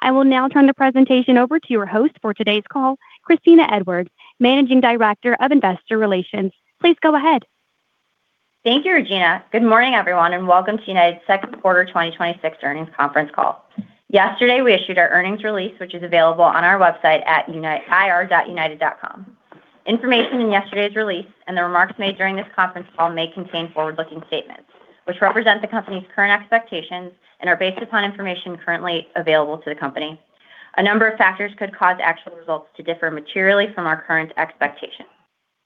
I will now turn the presentation over to your host for today's call, Kristina Edwards, Managing Director of Investor Relations. Please go ahead. Thank you, Regina. Good morning, everyone, and welcome to United's second quarter 2026 earnings conference call. Yesterday, we issued our earnings release, which is available on our website at ir.united.com. Information in yesterday's release and the remarks made during this conference call may contain forward-looking statements which represent the company's current expectations and are based upon information currently available to the company. A number of factors could cause actual results to differ materially from our current expectations.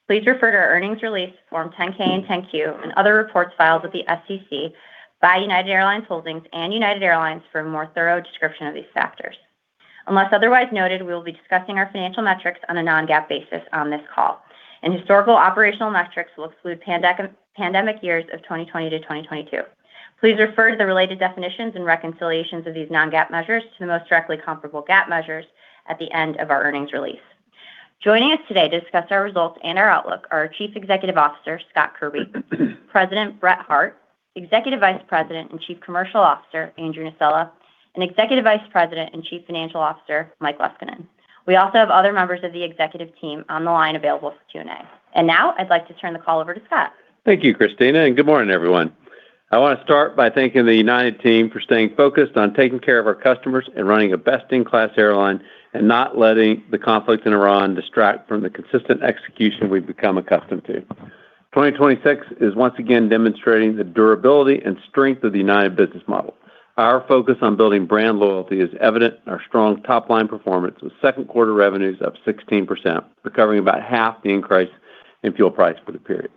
Please refer to our earnings release, Form 10-K and 10-Q and other reports filed with the SEC by United Airlines Holdings and United Airlines for a more thorough description of these factors. Unless otherwise noted, we will be discussing our financial metrics on a non-GAAP basis on this call, and historical operational metrics will exclude pandemic years of 2020 to 2022. Please refer to the related definitions and reconciliations of these non-GAAP measures to the most directly comparable GAAP measures at the end of our earnings release. Joining us today to discuss our results and our outlook are our Chief Executive Officer, Scott Kirby; President, Brett Hart; Executive Vice President and Chief Commercial Officer, Andrew Nocella; and Executive Vice President and Chief Financial Officer, Mike Leskinen. We also have other members of the executive team on the line available for Q&A. Now I'd like to turn the call over to Scott. Thank you, Kristina, and good morning, everyone. I want to start by thanking the United team for staying focused on taking care of our customers and running a best-in-class airline and not letting the conflict in Iran distract from the consistent execution we've become accustomed to. 2026 is once again demonstrating the durability and strength of the United business model. Our focus on building brand loyalty is evident in our strong top-line performance with second quarter revenues up 16%, recovering about half the increase in fuel price for the period.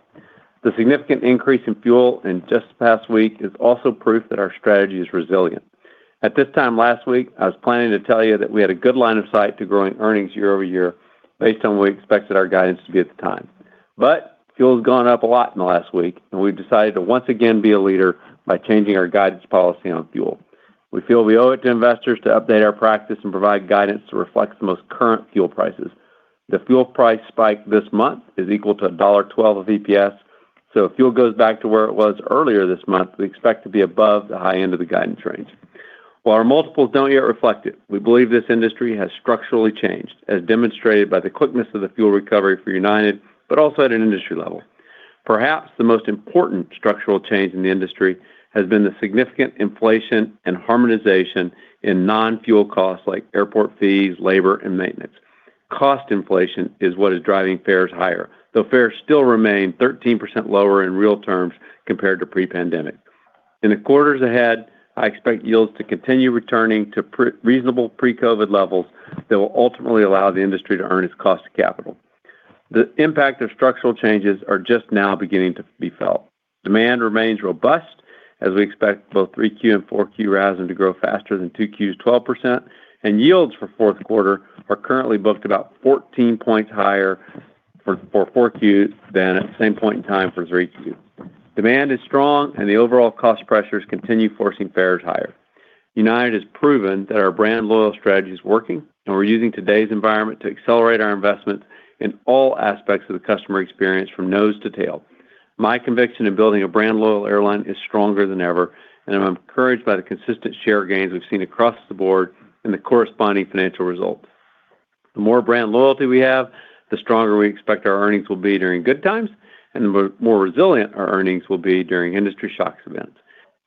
The significant increase in fuel in just the past week is also proof that our strategy is resilient. At this time last week, I was planning to tell you that we had a good line of sight to growing earnings year-over-year based on what we expected our guidance to be at the time. Fuel's gone up a lot in the last week. We've decided to once again be a leader by changing our guidance policy on fuel. We feel we owe it to investors to update our practice and provide guidance to reflect the most current fuel prices. The fuel price spike this month is equal to $1.12 of EPS. If fuel goes back to where it was earlier this month, we expect to be above the high end of the guidance range. While our multiples don't yet reflect it, we believe this industry has structurally changed, as demonstrated by the quickness of the fuel recovery for United, but also at an industry level. Perhaps the most important structural change in the industry has been the significant inflation and harmonization in non-fuel costs like airport fees, labor, and maintenance. Cost inflation is what is driving fares higher, though fares still remain 13% lower in real terms compared to pre-pandemic. In the quarters ahead, I expect yields to continue returning to reasonable pre-COVID levels that will ultimately allow the industry to earn its cost of capital. The impact of structural changes are just now beginning to be felt. Demand remains robust as we expect both 3Q and 4Q RASM to grow faster than 2Q's 12%. Yields for fourth quarter are currently booked about 14 points higher for 4Q than at the same point in time for 3Q. Demand is strong and the overall cost pressures continue forcing fares higher. United has proven that our brand loyal strategy is working. We're using today's environment to accelerate our investment in all aspects of the customer experience from nose to tail. My conviction in building a brand-loyal airline is stronger than ever. I'm encouraged by the consistent share gains we've seen across the board and the corresponding financial results. The more brand loyalty we have, the stronger we expect our earnings will be during good times and the more resilient our earnings will be during industry shocks events.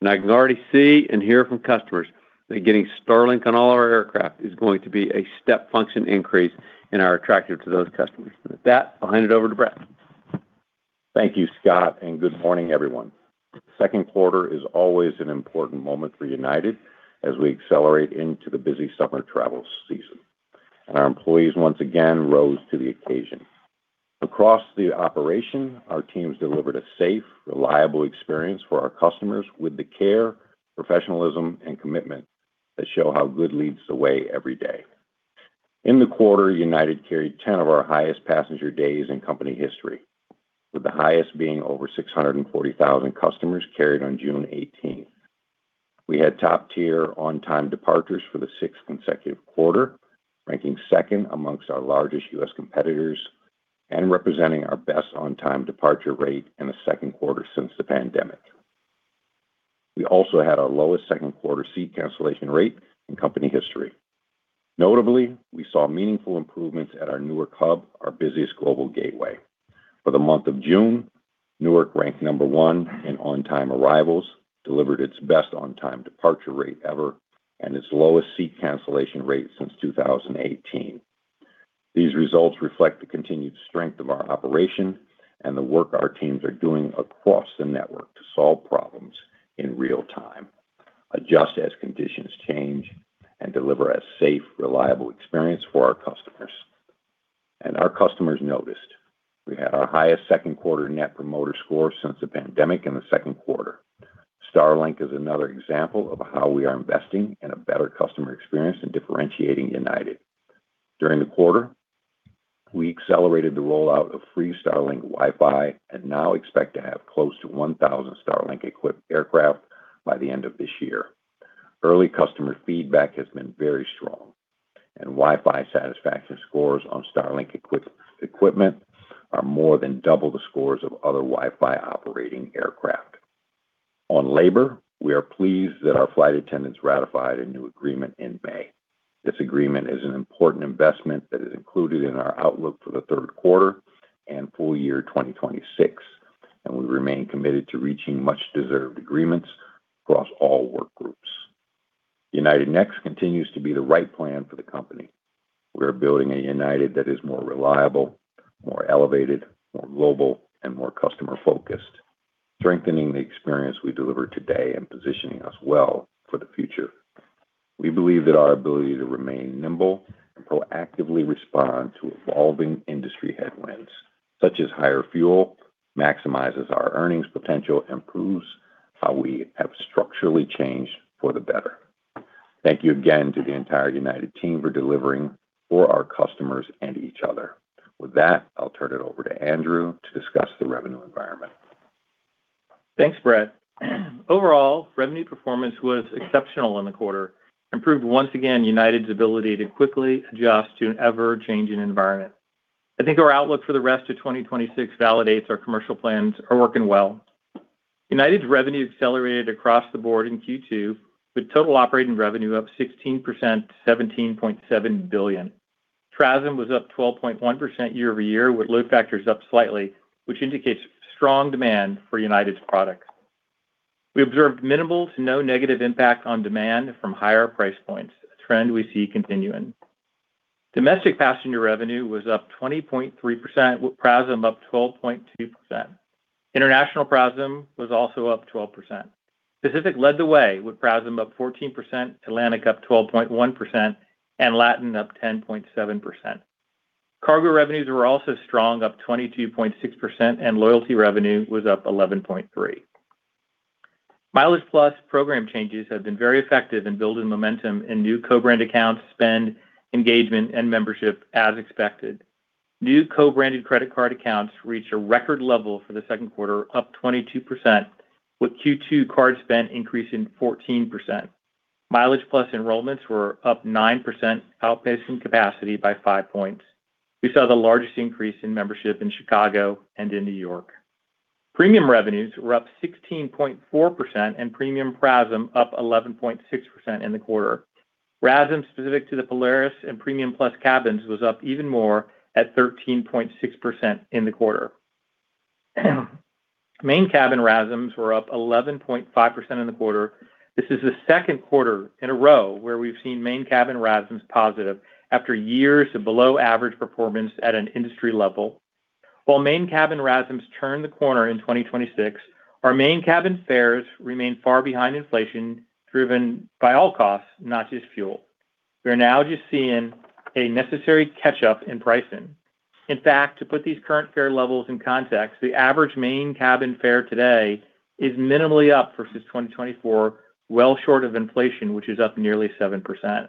I can already see and hear from customers that getting Starlink on all our aircraft is going to be a step function increase and are attractive to those customers. With that, I'll hand it over to Brett. Thank you, Scott, and good morning, everyone. Second quarter is always an important moment for United as we accelerate into the busy summer travel season. Our employees once again rose to the occasion. Across the operation, our teams delivered a safe, reliable experience for our customers with the care, professionalism, and commitment that show how good leads the way every day. In the quarter, United carried 10 of our highest passenger days in company history, with the highest being over 640,000 customers carried on June 18th. We had top-tier on-time departures for the sixth consecutive quarter, ranking second amongst our largest U.S. competitors and representing our best on-time departure rate in the second quarter since the pandemic. We also had our lowest second quarter seat cancellation rate in company history. Notably, we saw meaningful improvements at our Newark hub, our busiest global gateway. For the month of June, Newark ranked number one in on-time arrivals, delivered its best on-time departure rate ever, and its lowest seat cancellation rate since 2018. These results reflect the continued strength of our operation and the work our teams are doing across the network to solve problems in real time, adjust as conditions change, and deliver a safe, reliable experience for our customers. Our customers noticed. We had our highest second quarter Net Promoter Score since the pandemic in the second quarter. Starlink is another example of how we are investing in a better customer experience and differentiating United. During the quarter, we accelerated the rollout of free Starlink Wi-Fi and now expect to have close to 1,000 Starlink-equipped aircraft by the end of this year. Early customer feedback has been very strong. Wi-Fi satisfaction scores on Starlink equipment are more than double the scores of other Wi-Fi operating aircraft. On labor, we are pleased that our flight attendants ratified a new agreement in May. This agreement is an important investment that is included in our outlook for the third quarter and full year 2026, and we remain committed to reaching much-deserved agreements across all work groups. United Next continues to be the right plan for the company. We are building a United that is more reliable, more elevated, more global, and more customer-focused, strengthening the experience we deliver today and positioning us well for the future. We believe that our ability to remain nimble and proactively respond to evolving industry headwinds, such as higher fuel, maximizes our earnings potential and proves how we have structurally changed for the better. Thank you again to the entire United team for delivering for our customers and each other. With that, I'll turn it over to Andrew to discuss the revenue environment. Thanks, Brett. Overall, revenue performance was exceptional in the quarter. Proved once again United's ability to quickly adjust to an ever-changing environment. I think our outlook for the rest of 2026 validates our commercial plans are working well. United's revenue accelerated across the board in Q2 with total operating revenue up 16% to $17.7 billion. PRASM was up 12.1% year-over-year with load factors up slightly, which indicates strong demand for United's products. We observed minimal to no negative impact on demand from higher price points, a trend we see continuing. Domestic passenger revenue was up 20.3% with PRASM up 12.2%. International PRASM was also up 12%. Pacific led the way with PRASM up 14%, Atlantic up 12.1%, and Latin up 10.7%. Cargo revenues were also strong, up 22.6%. Loyalty revenue was up 11.3%. MileagePlus program changes have been very effective in building momentum in new co-brand accounts, spend, engagement, and membership as expected. New co-branded credit card accounts reached a record level for the second quarter, up 22%, with Q2 card spend increasing 14%. MileagePlus enrollments were up 9%, outpacing capacity by 5 points. We saw the largest increase in membership in Chicago and in New York. Premium revenues were up 16.4% and premium PRASM up 11.6% in the quarter. PRASM specific to the Polaris and Premium Plus cabins was up even more at 13.6% in the quarter. Main cabin RASMs were up 11.5% in the quarter. This is the second quarter in a row where we've seen main cabin RASMs positive after years of below-average performance at an industry level. While main cabin RASMs turned the corner in 2026, our main cabin fares remain far behind inflation, driven by all costs, not just fuel. We are now just seeing a necessary catch-up in pricing. In fact, to put these current fare levels in context, the average main cabin fare today is minimally up versus 2024, well short of inflation, which is up nearly 7%.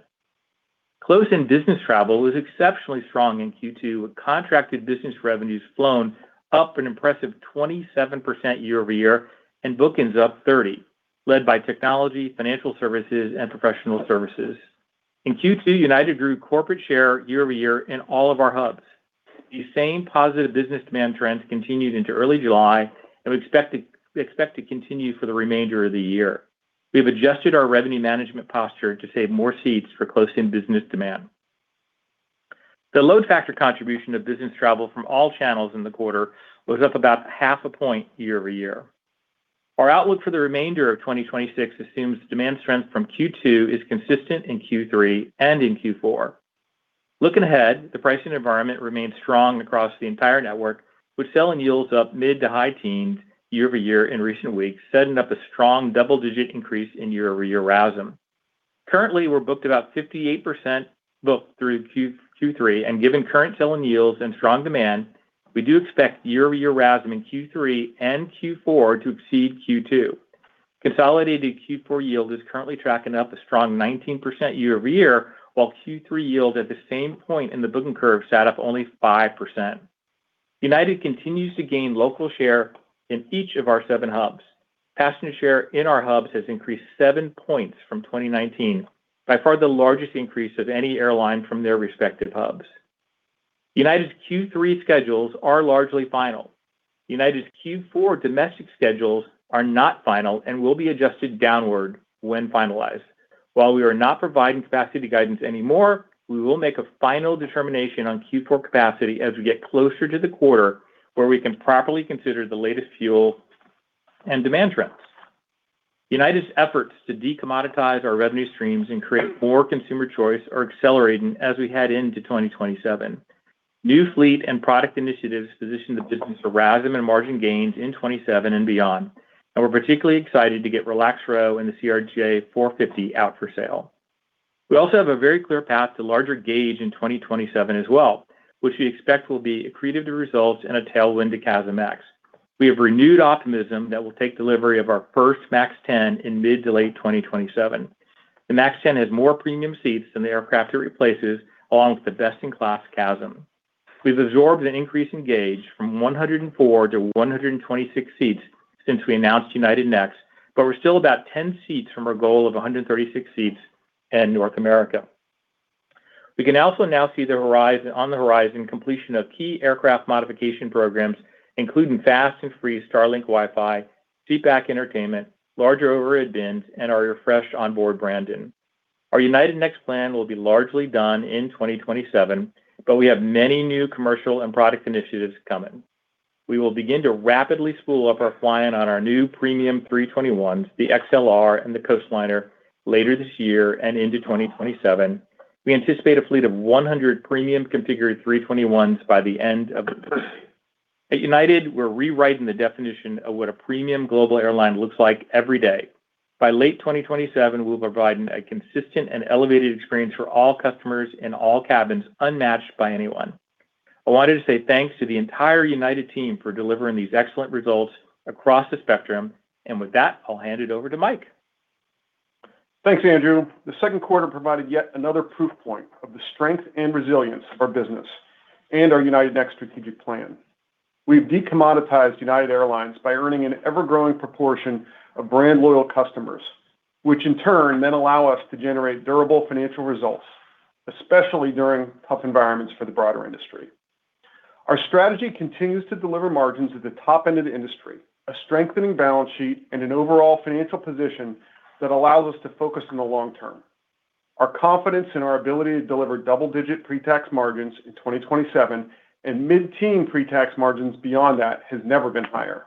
Close-in business travel was exceptionally strong in Q2, with contracted business revenues flown up an impressive 27% year-over-year, and book-ins up 30%, led by technology, financial services, and professional services. In Q2, United grew corporate share year-over-year in all of our hubs. These same positive business demand trends continued into early July and we expect to continue for the remainder of the year. We've adjusted our revenue management posture to save more seats for close-in business demand. The load factor contribution of business travel from all channels in the quarter was up about 0.5 point year-over-year. Our outlook for the remainder of 2026 assumes demand strength from Q2 is consistent in Q3 and in Q4. Looking ahead, the pricing environment remains strong across the entire network, with sell and yields up mid to high teens year-over-year in recent weeks, setting up a strong double-digit increase in year-over-year RASM. Currently, we're booked about 58% booked through Q3, and given current sell-in yields and strong demand, we do expect year-over-year RASM in Q3 and Q4 to exceed Q2. Consolidated Q4 yield is currently tracking up a strong 19% year-over-year, while Q3 yield at the same point in the booking curve sat up only 5%. United continues to gain local share in each of our seven hubs. Passenger share in our hubs has increased 7 points from 2019. By far the largest increase of any airline from their respective hubs. United's Q3 schedules are largely final. United's Q4 domestic schedules are not final and will be adjusted downward when finalized. While we are not providing capacity guidance anymore, we will make a final determination on Q4 capacity as we get closer to the quarter where we can properly consider the latest fuel and demand trends. United's efforts to decommoditize our revenue streams and create more consumer choice are accelerating as we head into 2027. New fleet and product initiatives position the business for RASM and margin gains in 2027 and beyond, and we're particularly excited to get Relax Row and the CRJ-450 out for sale. We also have a very clear path to larger gauge in 2027 as well, which we expect will be accretive to results and a tailwind to CASM-ex. We have renewed optimism that we'll take delivery of our first MAX 10 in mid to late 2027. The MAX 10 has more premium seats than the aircraft it replaces, along with the best-in-class CASM. We've absorbed an increase in gauge from 104 to 126 seats since we announced United Next, but we're still about 10 seats from our goal of 136 seats in North America. We can also now see on the horizon completion of key aircraft modification programs, including fast and free Starlink Wi-Fi, seatback entertainment, larger overhead bins, and our refreshed onboard branding. Our United Next plan will be largely done in 2027, but we have many new commercial and product initiatives coming. We will begin to rapidly spool up our flying on our new premium 321s, the XLR, and the Coastliner later this year and into 2027. We anticipate a fleet of 100 premium configured 321s by the end of the. At United, we're rewriting the definition of what a premium global airline looks like every day. By late 2027, we'll provide a consistent and elevated experience for all customers in all cabins, unmatched by anyone. I wanted to say thanks to the entire United team for delivering these excellent results across the spectrum. With that, I'll hand it over to Mike. Thanks, Andrew. The second quarter provided yet another proof point of the strength and resilience of our business and our United Next strategic plan. We've decommoditized United Airlines by earning an ever-growing proportion of brand loyal customers, which in turn then allow us to generate durable financial results, especially during tough environments for the broader industry. Our strategy continues to deliver margins at the top end of the industry, a strengthening balance sheet, and an overall financial position that allows us to focus on the long term. Our confidence in our ability to deliver double-digit pre-tax margins in 2027 and mid-teen pre-tax margins beyond that has never been higher.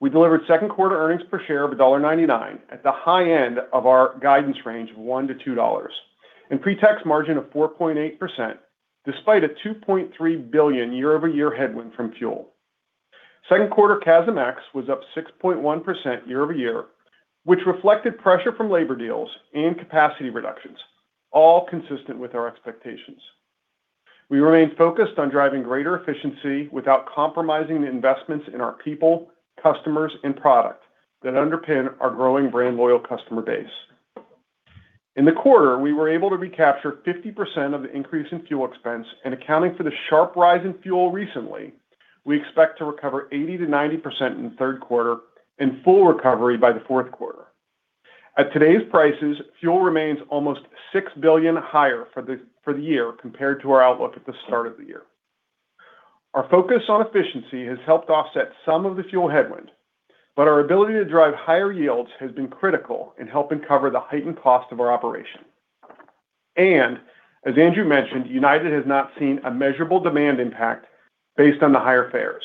We delivered second quarter earnings per share of $1.99 at the high end of our guidance range of $1 to $2, and pre-tax margin of 4.8%, despite a $2.3 billion year-over-year headwind from fuel. Second quarter CASM-ex was up 6.1% year-over-year, which reflected pressure from labor deals and capacity reductions, all consistent with our expectations. We remain focused on driving greater efficiency without compromising the investments in our people, customers, and product that underpin our growing brand loyal customer base. In the quarter, we were able to recapture 50% of the increase in fuel expense and accounting for the sharp rise in fuel recently, we expect to recover 80%-90% in the third quarter and full recovery by the fourth quarter. At today's prices, fuel remains almost $6 billion higher for the year compared to our outlook at the start of the year. Our focus on efficiency has helped offset some of the fuel headwind, but our ability to drive higher yields has been critical in helping cover the heightened cost of our operation. As Andrew mentioned, United has not seen a measurable demand impact based on the higher fares.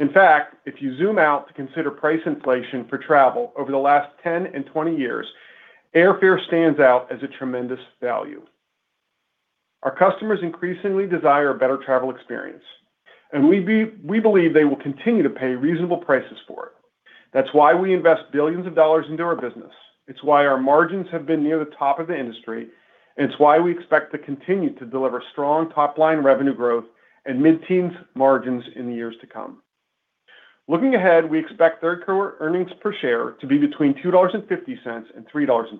In fact, if you zoom out to consider price inflation for travel over the last 10 and 20 years, airfare stands out as a tremendous value. Our customers increasingly desire a better travel experience, and we believe they will continue to pay reasonable prices for it. That's why we invest billions of dollars into our business. It's why our margins have been near the top of the industry, and it's why we expect to continue to deliver strong top-line revenue growth and mid-teens margins in the years to come. Looking ahead, we expect third quarter earnings per share to be between $2.50 and $3.50,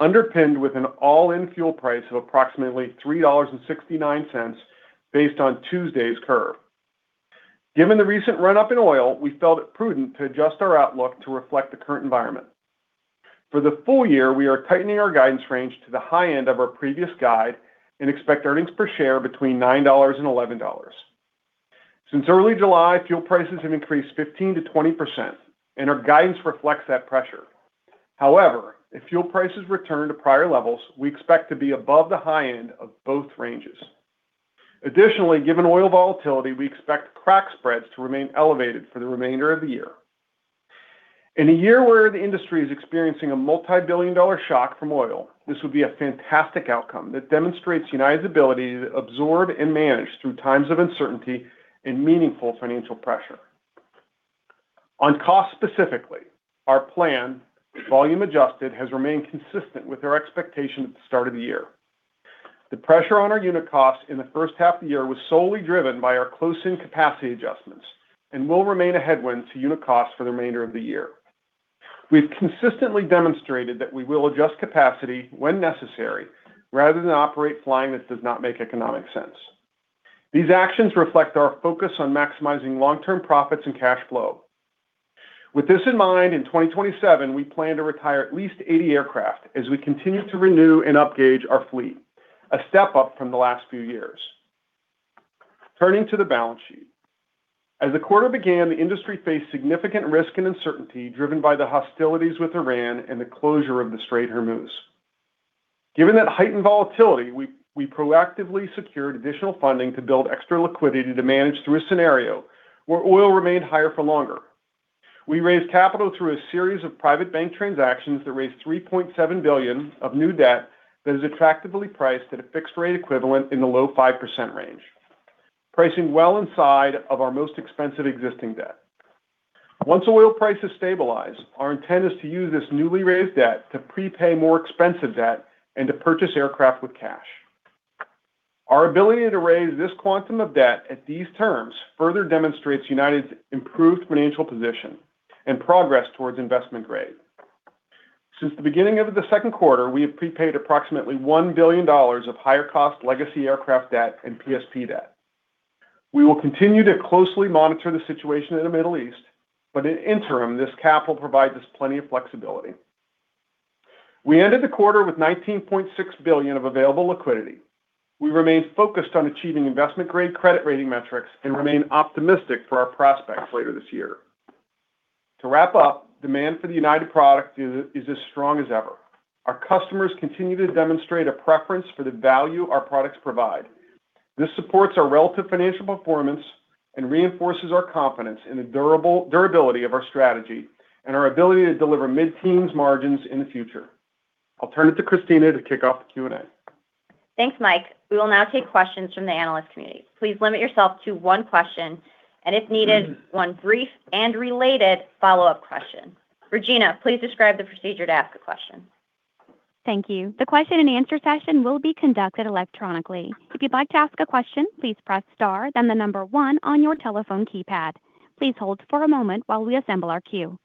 underpinned with an all-in fuel price of approximately $3.69, based on Tuesday's curve. Given the recent run-up in oil, we felt it prudent to adjust our outlook to reflect the current environment. For the full year, we are tightening our guidance range to the high end of our previous guide and expect earnings per share between $9 and $11. Since early July, fuel prices have increased 15%-20%, and our guidance reflects that pressure. However, if fuel prices return to prior levels, we expect to be above the high end of both ranges. Additionally, given oil volatility, we expect crack spreads to remain elevated for the remainder of the year. In a year where the industry is experiencing a multibillion-dollar shock from oil, this would be a fantastic outcome that demonstrates United's ability to absorb and manage through times of uncertainty and meaningful financial pressure. On cost specifically, our plan, volume adjusted, has remained consistent with our expectation at the start of the year. The pressure on our unit cost in the first half of the year was solely driven by our closing capacity adjustments and will remain a headwind to unit cost for the remainder of the year. We've consistently demonstrated that we will adjust capacity when necessary, rather than operate flying that does not make economic sense. These actions reflect our focus on maximizing long-term profits and cash flow. With this in mind, in 2027, we plan to retire at least 80 aircraft as we continue to renew and upgauge our fleet, a step up from the last few years. Turning to the balance sheet. As the quarter began, the industry faced significant risk and uncertainty driven by the hostilities with Iran and the closure of the Strait of Hormuz. Given that heightened volatility, we proactively secured additional funding to build extra liquidity to manage through a scenario where oil remained higher for longer. We raised capital through a series of private bank transactions that raised $3.7 billion of new debt that is attractively priced at a fixed rate equivalent in the low 5% range, pricing well inside of our most expensive existing debt. Once oil prices stabilize, our intent is to use this newly raised debt to prepay more expensive debt and to purchase aircraft with cash. Our ability to raise this quantum of debt at these terms further demonstrates United's improved financial position and progress towards investment grade. Since the beginning of the second quarter, we have prepaid approximately $1 billion of higher-cost legacy aircraft debt and PSP debt. We will continue to closely monitor the situation in the Middle East, but in interim, this cap will provide us plenty of flexibility. We ended the quarter with $19.6 billion of available liquidity. We remain focused on achieving investment-grade credit rating metrics and remain optimistic for our prospects later this year. To wrap up, demand for the United product is as strong as ever. Our customers continue to demonstrate a preference for the value our products provide. This supports our relative financial performance and reinforces our confidence in the durability of our strategy and our ability to deliver mid-teens margins in the future. I'll turn it to Kristina to kick off the Q&A. Thanks, Mike. We will now take questions from the analyst community. Please limit yourself to one question, and if needed, one brief and related follow-up question. Regina, please describe the procedure to ask a question. Thank you. The question-and-answer session will be conducted electronically. If you'd like to ask a question, please press star then the number one on your telephone keypad. Please hold for a moment while we assemble our queue.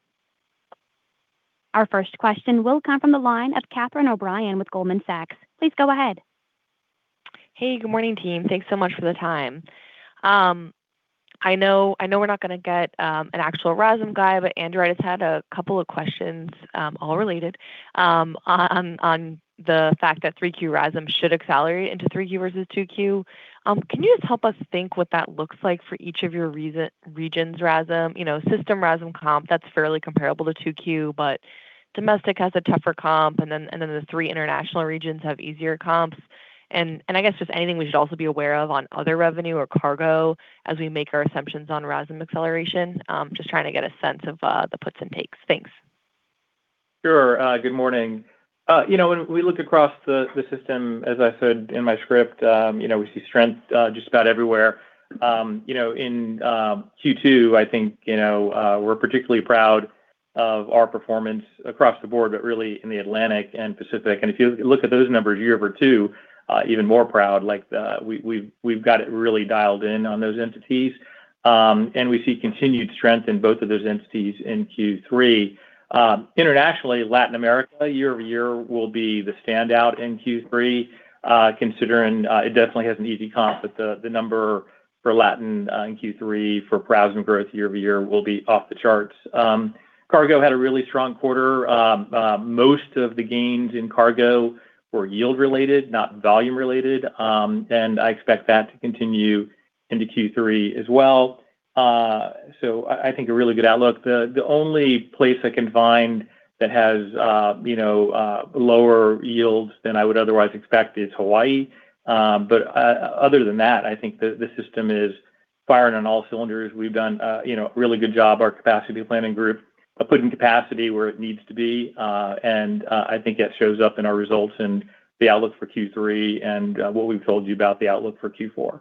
Our first question will come from the line of Catherine O'Brien with Goldman Sachs. Please go ahead. Hey, good morning, team. Thanks so much for the time. I know we're not going to get an actual RASM guide, but Andrew has had a couple of questions, all related, on the fact that 3Q RASM should accelerate into 3Q versus 2Q. Can you just help us think what that looks like for each of your regions RASM? System RASM comp, that's fairly comparable to 2Q, but domestic has a tougher comp, and then the three international regions have easier comps. I guess just anything we should also be aware of on other revenue or cargo as we make our assumptions on RASM acceleration. Just trying to get a sense of the puts and takes. Thanks. Sure. Good morning. When we look across the system, as I said in my script, we see strength just about everywhere. In Q2, I think we're particularly proud of our performance across the board, but really in the Atlantic and Pacific. If you look at those numbers year-over-year, even more proud. We've got it really dialed in on those entities. We see continued strength in both of those entities in Q3. Internationally, Latin America, year-over-year, will be the standout in Q3. Considering it definitely has an easy comp, the number for Latin in Q3 for PRASM growth year-over-year will be off the charts. Cargo had a really strong quarter. Most of the gains in cargo were yield related, not volume related. I expect that to continue into Q3 as well. I think a really good outlook. The only place I can find that has lower yields than I would otherwise expect is Hawaii. Other than that, I think that the system is firing on all cylinders. We've done a really good job, our capacity planning group, of putting capacity where it needs to be. I think that shows up in our results and the outlook for Q3 and what we've told you about the outlook for Q4.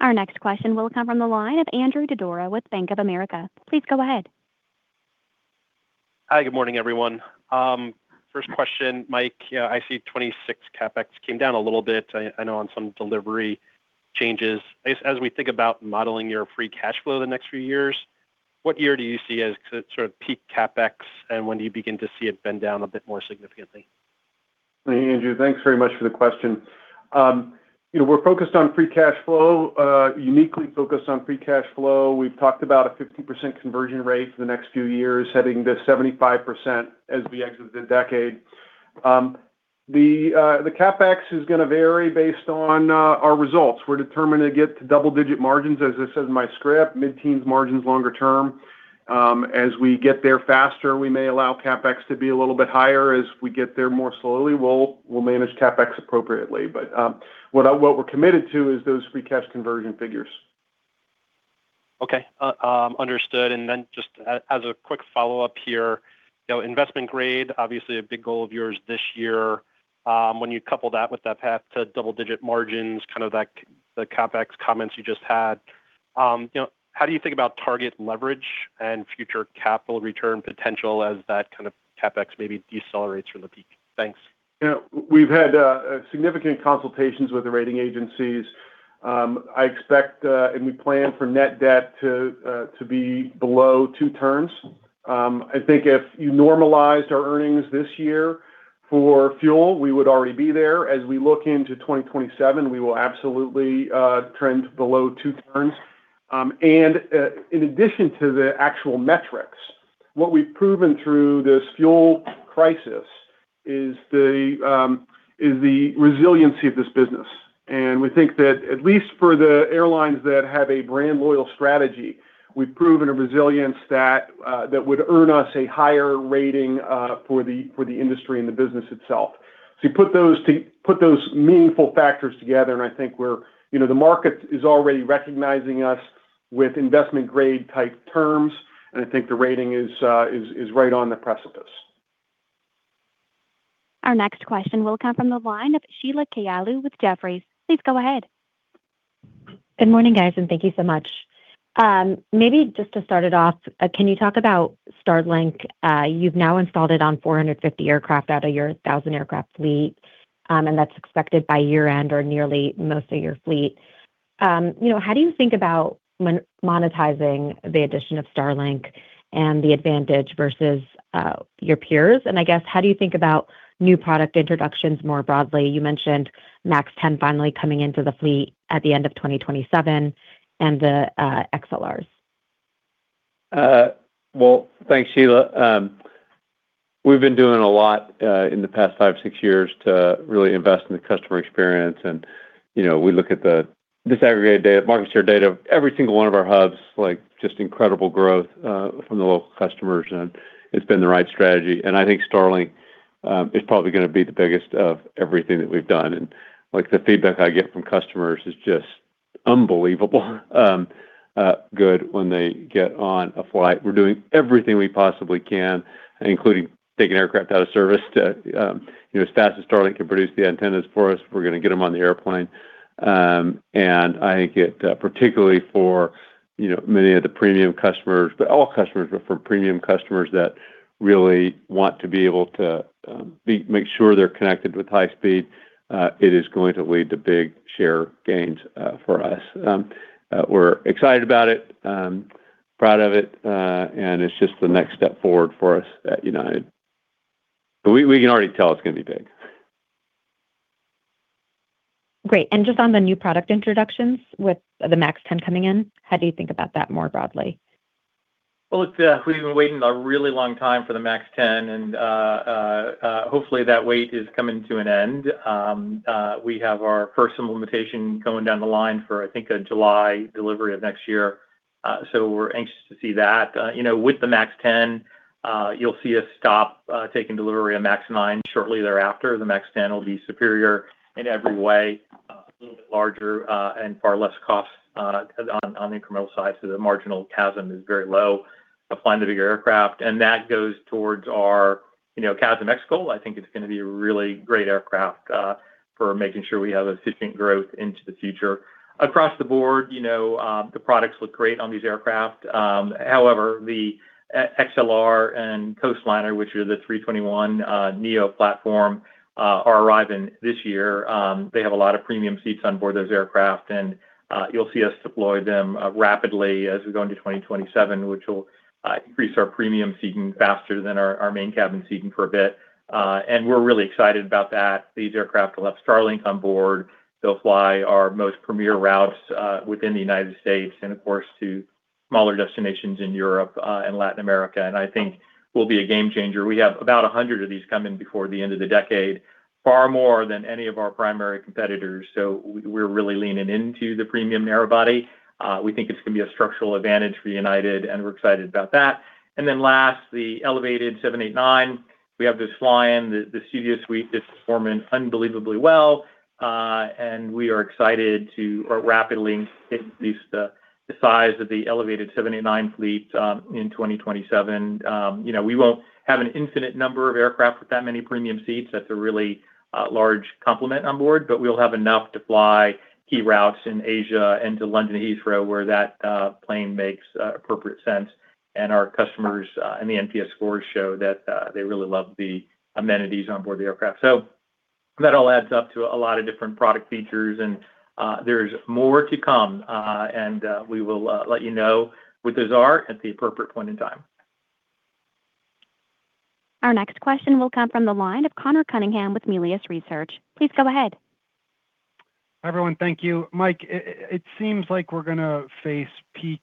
Our next question will come from the line of Andrew Didora with Bank of America. Please go ahead. Hi. Good morning, everyone. First question, Mike, I see 2026 CapEx came down a little bit, I know on some delivery changes. As we think about modeling your free cash flow the next few years, what year do you see as sort of peak CapEx, and when do you begin to see it bend down a bit more significantly? Andrew, thanks very much for the question. We're focused on free cash flow, uniquely focused on free cash flow. We've talked about a 50% conversion rate for the next few years, heading to 75% as we exit the decade. The CapEx is going to vary based on our results. We're determined to get to double-digit margins, as it says in my script, mid-teens margins longer term. As we get there faster, we may allow CapEx to be a little bit higher. As we get there more slowly, we'll manage CapEx appropriately. What we're committed to is those free cash conversion figures. Okay. Understood. Just as a quick follow-up here, investment grade, obviously a big goal of yours this year. When you couple that with that path to double-digit margins, kind of the CapEx comments you just had, how do you think about target leverage and future capital return potential as that kind of CapEx maybe decelerates from the peak? Thanks. We've had significant consultations with the rating agencies. I expect, we plan for net debt to be below 2x. I think if you normalized our earnings this year for fuel, we would already be there. As we look into 2027, we will absolutely trend below 2x. In addition to the actual metrics, what we've proven through this fuel crisis is the resiliency of this business. We think that at least for the airlines that have a brand loyal strategy, we've proven a resilience that would earn us a higher rating for the industry and the business itself. You put those meaningful factors together, I think the market is already recognizing us with investment-grade type terms, I think the rating is right on the precipice. Our next question will come from the line of Sheila Kahyaoglu with Jefferies. Please go ahead. Good morning, guys, and thank you so much. Maybe just to start it off, can you talk about Starlink? You've now installed it on 450 aircraft out of your 1,000 aircraft fleet, and that's expected by year end or nearly most of your fleet. How do you think about monetizing the addition of Starlink and the advantage versus your peers? I guess, how do you think about new product introductions more broadly? You mentioned MAX 10 finally coming into the fleet at the end of 2027 and the XLRs. Thanks, Sheila. We've been doing a lot in the past five, six years to really invest in the customer experience. We look at the disaggregated data, market share data of every single one of our hubs, just incredible growth from the local customers, and it's been the right strategy. I think Starlink is probably going to be the biggest of everything that we've done. The feedback I get from customers is just unbelievably good when they get on a flight. We're doing everything we possibly can, including taking aircraft out of service. As fast as Starlink can produce the antennas for us, we're going to get them on the airplane. I think particularly for many of the premium customers, but all customers, but for premium customers that really want to be able to make sure they're connected with high speed, it is going to lead to big share gains for us. We're excited about it, proud of it, and it's just the next step forward for us at United. We can already tell it's going to be big. Great. Just on the new product introductions with the MAX 10 coming in, how do you think about that more broadly? We've been waiting a really long time for the MAX 10, hopefully that wait is coming to an end. We have our first implementation going down the line for, I think, a July delivery of next year. We're anxious to see that. With the MAX 10, you'll see us stop taking delivery of MAX 9 shortly thereafter. The MAX 10 will be superior in every way, a little bit larger and far less cost on the incremental side, the marginal CASM is very low to fly the bigger aircraft. That goes towards our CASM-ex goal. I think it's going to be a really great aircraft for making sure we have efficient growth into the future. Across the board, the products look great on these aircraft. However, the XLR and Coastliner, which are the A321neo platform, are arriving this year. They have a lot of premium seats on board those aircraft, you'll see us deploy them rapidly as we go into 2027, which will increase our premium seating faster than our main cabin seating for a bit. We're really excited about that. These aircraft will have Starlink on board. They'll fly our most premier routes within the United States and, of course, to smaller destinations in Europe and Latin America, I think will be a game changer. We have about 100 of these coming before the end of the decade, far more than any of our primary competitors. We're really leaning into the premium narrow body. We think it's going to be a structural advantage for United, we're excited about that. Last, the elevated 789. We have those flying. The Studio Suite is performing unbelievably well. We are excited to rapidly increase the size of the elevated 789 fleet in 2027. We won't have an infinite number of aircraft with that many premium seats. That's a really large complement on board, we'll have enough to fly key routes in Asia and to London Heathrow, where that plane makes appropriate sense. Our customers and the NPS scores show that they really love the amenities on board the aircraft. That all adds up to a lot of different product features, there's more to come. We will let you know what those are at the appropriate point in time. Our next question will come from the line of Conor Cunningham with Melius Research. Please go ahead. Hi, everyone. Thank you. Mike, it seems like we're going to face peak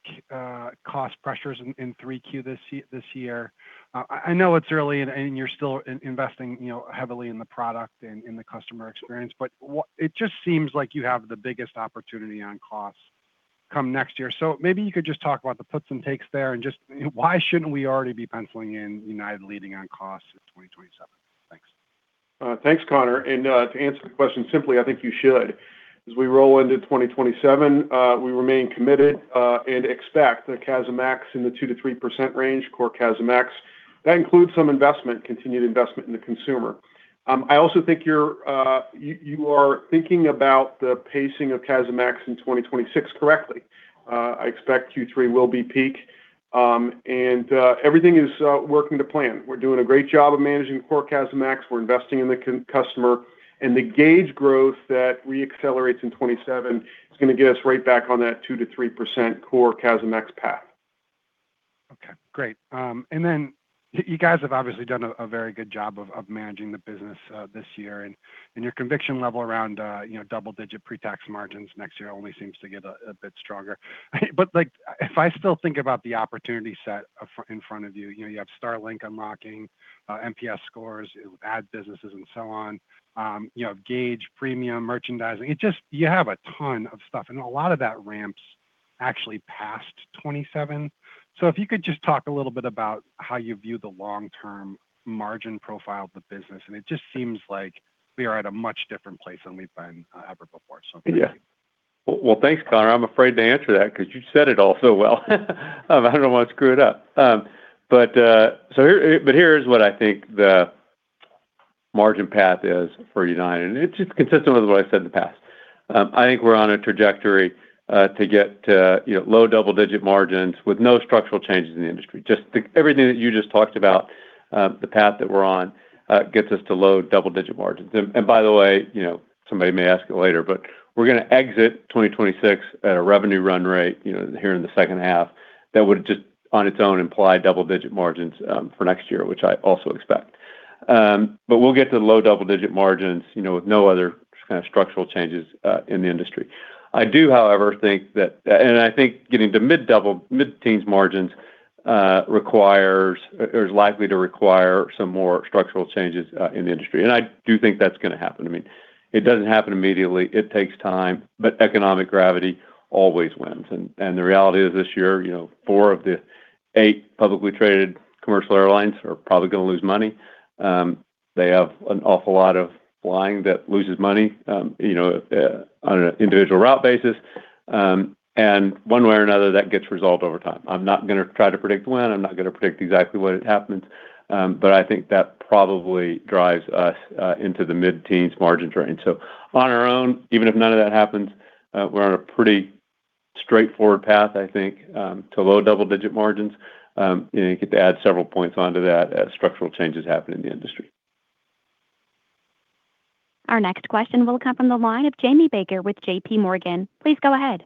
cost pressures in 3Q this year. I know it's early and you're still investing heavily in the product and in the customer experience, but it just seems like you have the biggest opportunity on costs come next year. Maybe you could just talk about the puts and takes there and just why shouldn't we already be penciling in United leading on costs in 2027? Thanks. Thanks, Conor. To answer the question simply, I think you should. As we roll into 2027, we remain committed and expect the CASM-ex in the 2%-3% range, core CASM-ex. That includes some investment, continued investment in the consumer. I also think you are thinking about the pacing of CASM-ex in 2026 correctly. I expect Q3 will be peak. Everything is working to plan. We're doing a great job of managing core CASM-ex. We're investing in the customer. The gauge growth that re-accelerates in 2027 is going to get us right back on that 2%-3% core CASM-ex path. Okay, great. Then you guys have obviously done a very good job of managing the business this year and your conviction level around double-digit pre-tax margins next year only seems to get a bit stronger. If I still think about the opportunity set in front of you have Starlink unlocking NPS scores, ad businesses and so on. Gauge, premium, merchandising. You have a ton of stuff and a lot of that ramps actually past 2027. If you could just talk a little bit about how you view the long-term margin profile of the business, and it just seems like we are at a much different place than we've been ever before, thank you. Well, thanks, Conor. I'm afraid to answer that because you said it all so well. I don't want to screw it up. Here is what I think the margin path is for United, and it's just consistent with what I've said in the past. I think we're on a trajectory to get to low double-digit margins with no structural changes in the industry. Just everything that you just talked about. The path that we're on gets us to low double-digit margins. By the way, somebody may ask it later, we're going to exit 2026 at a revenue run rate here in the second half that would just on its own imply double-digit margins for next year, which I also expect. We'll get to low double-digit margins with no other kind of structural changes in the industry. I do, however, think that getting to mid-teens margins is likely to require some more structural changes in the industry, and I do think that's going to happen. It doesn't happen immediately. It takes time, economic gravity always wins, and the reality is this year, four of the eight publicly traded commercial airlines are probably going to lose money. They have an awful lot of flying that loses money on an individual route basis. One way or another, that gets resolved over time. I'm not going to try to predict when, I'm not going to predict exactly when it happens, I think that probably drives us into the mid-teens margins range. On our own, even if none of that happens, we're on a pretty straightforward path, I think, to low double-digit margins. You get to add several points onto that as structural changes happen in the industry. Our next question will come from the line of Jamie Baker with J.P. Morgan. Please go ahead.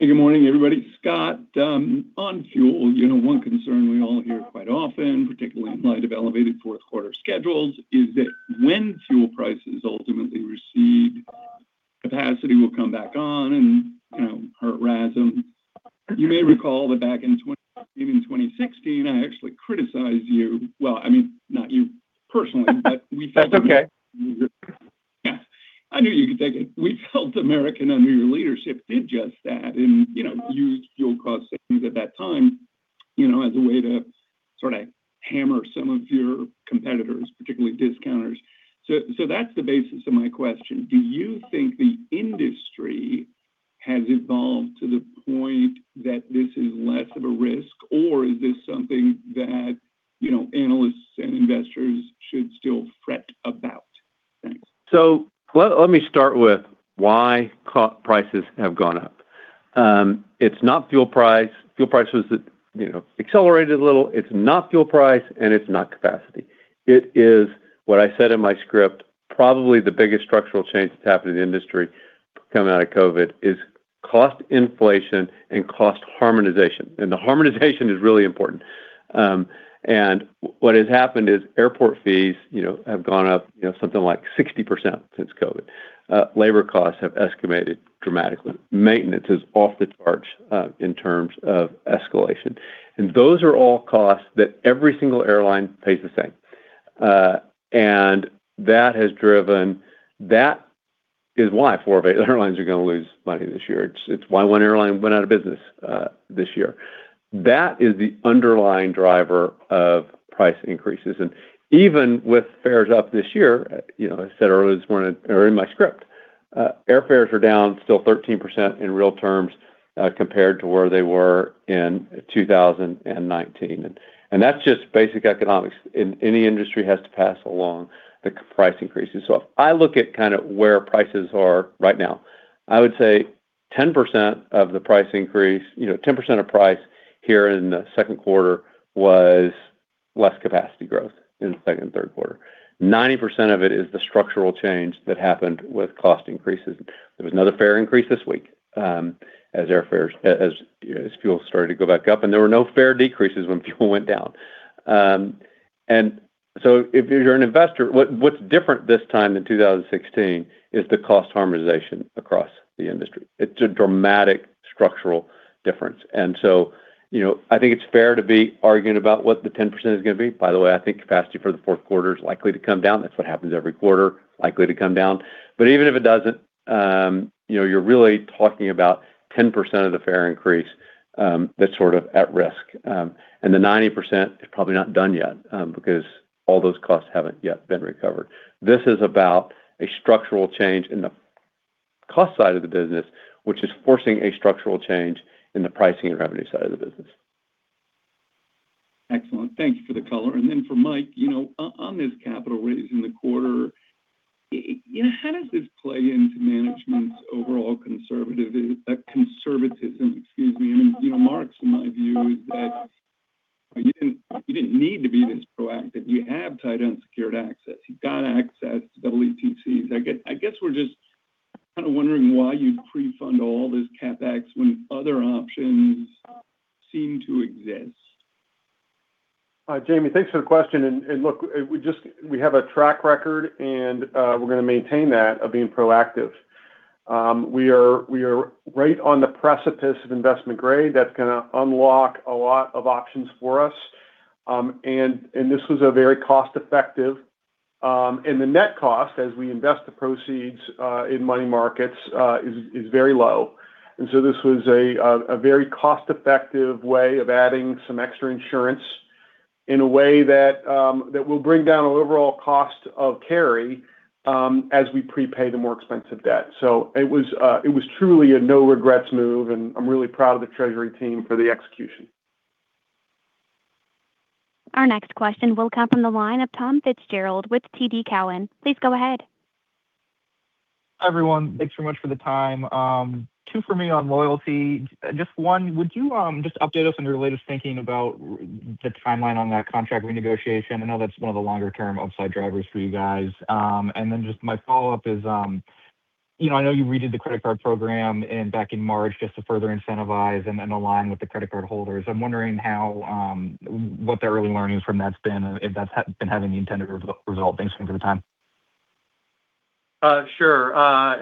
Good morning, everybody. Scott, on fuel, one concern we all hear quite often, particularly in light of elevated fourth quarter schedules, is that when fuel prices ultimately recede, capacity will come back on and hurt RASM. You may recall that back in 2016, I actually criticized you. Well, not you personally, but That's okay. Yes. I knew you could take it. We felt American, under your leadership, did just that, and used fuel cost savings at that time, as a way to sort of hammer some of your competitors, particularly discounters. That's the basis of my question. Do you think the industry has evolved to the point that this is less of a risk, or is this something that analysts and investors should still fret about? Thanks. Let me start with why prices have gone up. Fuel prices accelerated a little. It's not fuel price, and it's not capacity. It is what I said in my script, probably the biggest structural change that's happened in the industry coming out of COVID is cost inflation and cost harmonization, and the harmonization is really important. What has happened is airport fees have gone up something like 60% since COVID. Labor costs have escalated dramatically. Maintenance is off the charts in terms of escalation, and those are all costs that every single airline pays the same. That is why four of the airlines are going to lose money this year. It's why one airline went out of business this year. That is the underlying driver of price increases, even with fares up this year, as I said earlier in my script, airfares are down still 13% in real terms compared to where they were in 2019, and that's just basic economics. Any industry has to pass along the price increases. If I look at where prices are right now, I would say 10% of price here in the second quarter was less capacity growth in the second and third quarter. 90% of it is the structural change that happened with cost increases. There was another fare increase this week as fuel started to go back up, and there were no fare decreases when fuel went down. If you're an investor, what's different this time than 2016 is the cost harmonization across the industry. It's a dramatic structural difference. I think it's fair to be arguing about what the 10% is going to be. By the way, I think capacity for the fourth quarter is likely to come down. That's what happens every quarter. Likely to come down. Even if it doesn't, you're really talking about 10% of the fare increase that's sort of at risk. The 90% is probably not done yet, because all those costs haven't yet been recovered. This is about a structural change in the cost side of the business, which is forcing a structural change in the pricing and revenue side of the business. Excellent. Thank you for the color. For Mike, on this capital raise in the quarter, how does this play into management's overall conservatism? Marks in my view is that you didn't need to be this proactive. You have tight unsecured access. You've got access to ETCs. I guess we're just kind of wondering why you'd pre-fund all this CapEx when other options seem to exist. Jamie, thanks for the question, and look, we have a track record, and we're going to maintain that of being proactive. We are right on the precipice of investment grade. That's going to unlock a lot of options for us. This was very cost-effective, and the net cost as we invest the proceeds in money markets is very low. This was a very cost-effective way of adding some extra insurance in a way that will bring down an overall cost of carry as we prepay the more expensive debt. It was truly a no regrets move, and I'm really proud of the treasury team for the execution. Our next question will come from the line of Tom Fitzgerald with TD Cowen. Please go ahead. Everyone, thanks so much for the time. Two for me on loyalty. Just one, would you just update us on your latest thinking about the timeline on that contract renegotiation? I know that's one of the longer-term upside drivers for you guys. Just my follow-up is, I know you redid the credit card program back in March just to further incentivize and align with the credit card holders. I'm wondering what the early learnings from that's been, if that's been having the intended result. Thanks again for the time. Sure.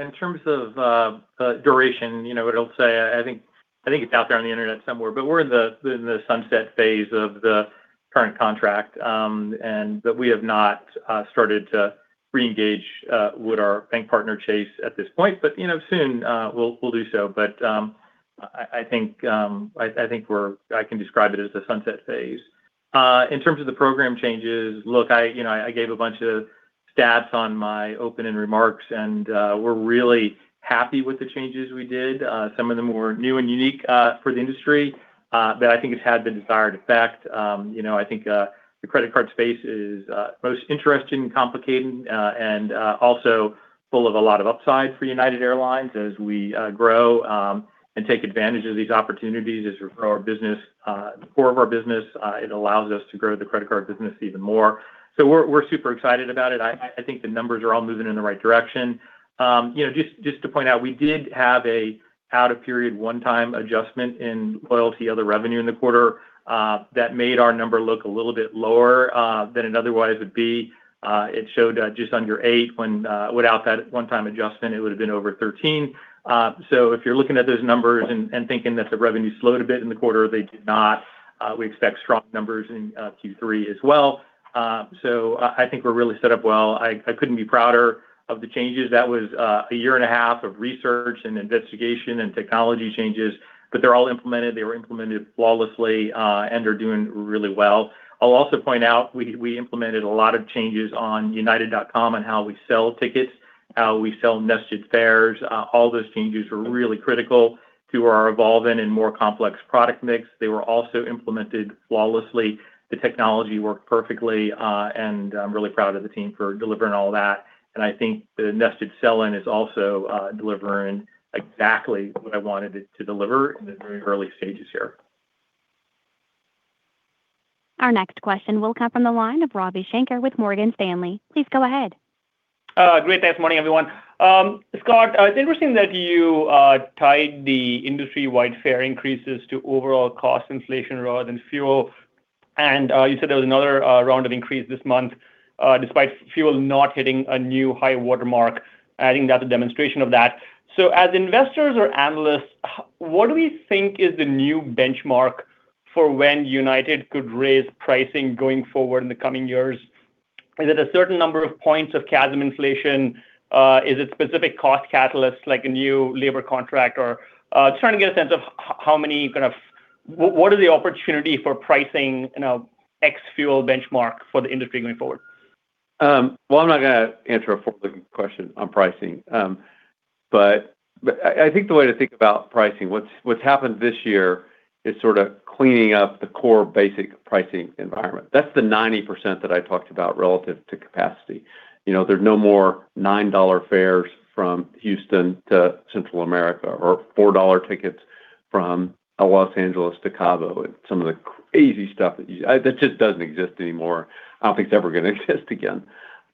In terms of duration, I'll say, I think it's out there on the Internet somewhere, but we're in the sunset phase of the current contract, and that we have not started to reengage with our bank partner, Chase, at this point. Soon we'll do so. I think I can describe it as the sunset phase. In terms of the program changes, look, I gave a bunch of stats on my opening remarks, and we're really happy with the changes we did. Some of them were new and unique for the industry, but I think it had the desired effect. I think the credit card space is both interesting, complicated, and also full of a lot of upside for United Airlines as we grow and take advantage of these opportunities as we grow our business. The core of our business, it allows us to grow the credit card business even more. We're super excited about it. I think the numbers are all moving in the right direction. Just to point out, we did have an out-of-period one-time adjustment in loyalty, other revenue in the quarter, that made our number look a little bit lower than it otherwise would be. It showed just under eight when, without that one-time adjustment, it would've been over 13. If you're looking at those numbers and thinking that the revenue slowed a bit in the quarter, they did not. We expect strong numbers in Q3 as well. I think we're really set up well. I couldn't be prouder of the changes. That was a 1.5 year of research and investigation and technology changes, but they're all implemented. They were implemented flawlessly, and are doing really well. I'll also point out, we implemented a lot of changes on united.com and how we sell tickets, how we sell nested fares. All those changes were really critical to our evolving and more complex product mix. They were also implemented flawlessly. The technology worked perfectly, and I'm really proud of the team for delivering all that. I think the nested sell-in is also delivering exactly what I wanted it to deliver in the very early stages here. Our next question will come from the line of Ravi Shanker with Morgan Stanley. Please go ahead. Great. Thanks. Morning, everyone. Scott, it's interesting that you tied the industry-wide fare increases to overall cost inflation rather than fuel, and you said there was another round of increase this month, despite fuel not hitting a new high watermark, adding that's a demonstration of that. As investors or analysts, what do we think is the new benchmark for when United could raise pricing going forward in the coming years? Is it a certain number of points of CASM inflation? Is it specific cost catalysts, like a new labor contract, or just trying to get a sense of what are the opportunity for pricing in a ex-fuel benchmark for the industry going forward? Well, I'm not going to answer a forward-looking question on pricing. I think the way to think about pricing, what's happened this year is sort of cleaning up the core basic pricing environment. That's the 90% that I talked about relative to capacity. There's no more $9 fares from Houston to Central America, or $4 tickets from Los Angeles to Cabo, and some of the crazy stuff that just doesn't exist anymore. I don't think it's ever going to exist again.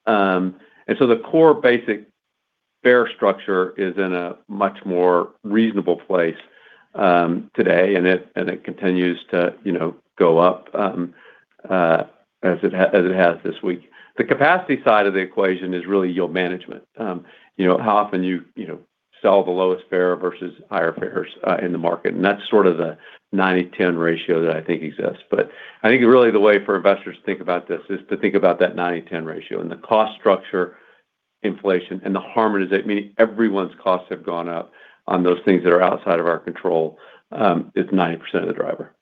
The core basic fare structure is in a much more reasonable place today, and it continues to go up as it has this week. The capacity side of the equation is really yield management. How often you sell the lowest fare versus higher fares in the market, and that's sort of the 90/10 ratio that I think exists. I think really the way for investors to think about this is to think about that 90/10 ratio and the cost structure inflation and the harm it is, meaning everyone's costs have gone up on those things that are outside of our control. It's 90% of the driver.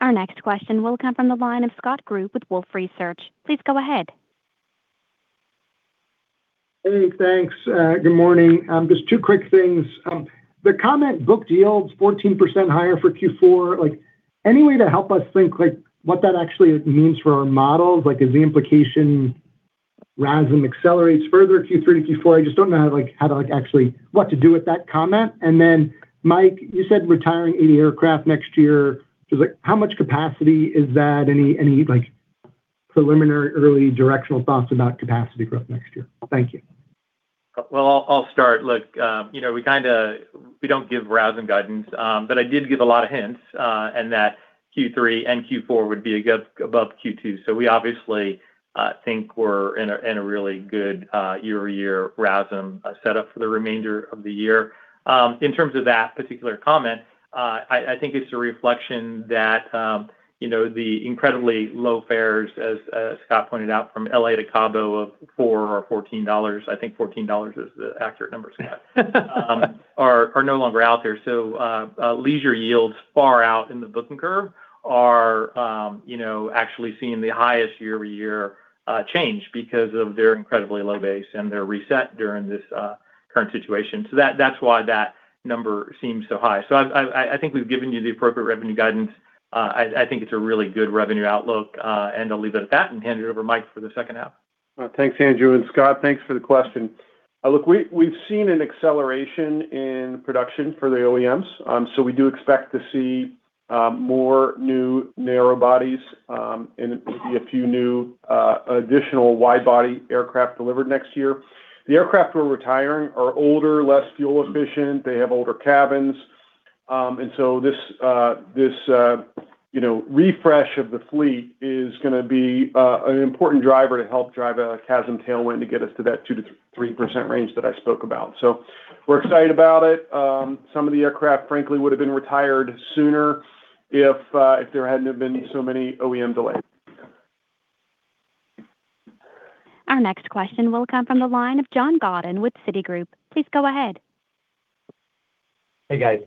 Our next question will come from the line of Scott Group with Wolfe Research. Please go ahead. Hey, thanks. Good morning. Just two quick things. The comment, "Booked yields 14% higher for Q4," any way to help us think what that actually means for our models? Like, is the implication RASM accelerates further Q3 to Q4? I just don't know what to do with that comment. Mike, you said retiring 80 aircraft next year. Just how much capacity is that? Any preliminary early directional thoughts about capacity growth next year? Thank you. Well, I'll start. Look, we don't give RASM guidance, I did give a lot of hints, that Q3 and Q4 would be above Q2. We obviously think we're in a really good year-over-year RASM setup for the remainder of the year. In terms of that particular comment, I think it's a reflection that the incredibly low fares, as Scott pointed out, from L.A. to Cabo of $4 or $14, I think $14 is the accurate number, Scott, are no longer out there. Leisure yields far out in the booking curve are actually seeing the highest year-over-year change because of their incredibly low base and their reset during this current situation. That's why that number seems so high. I think we've given you the appropriate revenue guidance. I think it's a really good revenue outlook. I'll leave it at that and hand it over to Mike for the second half. Thanks, Andrew. Scott, thanks for the question. Look, we've seen an acceleration in production for the OEMs, so we do expect to see more new narrow bodies, and there will be a few new additional wide-body aircraft delivered next year. The aircraft we're retiring are older, less fuel efficient. They have older cabins. This refresh of the fleet is going to be an important driver to help drive a CASM tailwind to get us to that 2%-3% range that I spoke about. We're excited about it. Some of the aircraft, frankly, would've been retired sooner if there hadn't have been so many OEM delays. Our next question will come from the line of John Godyn with Citigroup. Please go ahead. Hey, guys.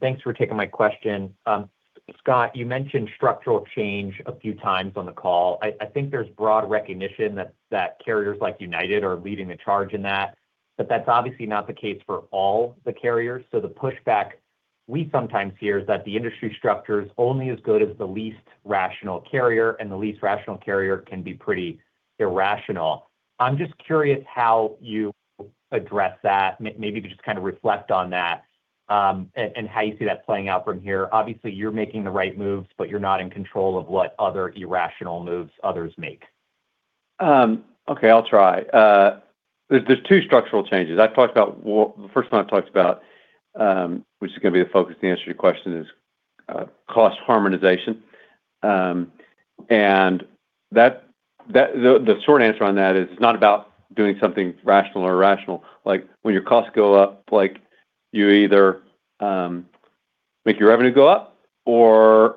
Thanks for taking my question. Scott, you mentioned structural change a few times on the call. I think there's broad recognition that carriers like United are leading the charge in that, but that's obviously not the case for all the carriers. The pushback we sometimes hear is that the industry structure is only as good as the least rational carrier, and the least rational carrier can be pretty irrational. I'm just curious how you address that. Maybe you could just kind of reflect on that, and how you see that playing out from here. Obviously, you're making the right moves, but you're not in control of what other irrational moves others make. Okay, I'll try. There's two structural changes. The first one I've talked about, which is going to be the focus to answer your question, is cost harmonization. The short answer on that is it's not about doing something rational or irrational. When your costs go up, you either make your revenue go up, or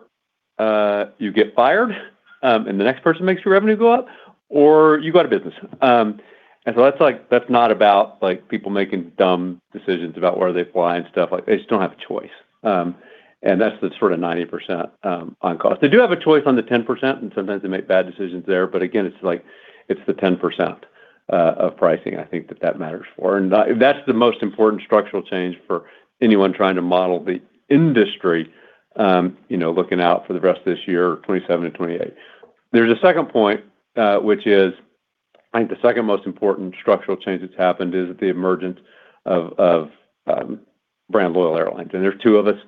you get fired, and the next person makes your revenue go up, or you go out of business. That's not about people making dumb decisions about where they fly and stuff. They just don't have a choice. That's the sort of 90% on cost. They do have a choice on the 10%, and sometimes they make bad decisions there. Again, it's the 10% of pricing, I think, that that matters for. That's the most important structural change for anyone trying to model the industry, looking out for the rest of this year, 2027 and 2028. There's a second point, which is, I think the second most important structural change that's happened is the emergence of brand loyal airlines. There's two of us.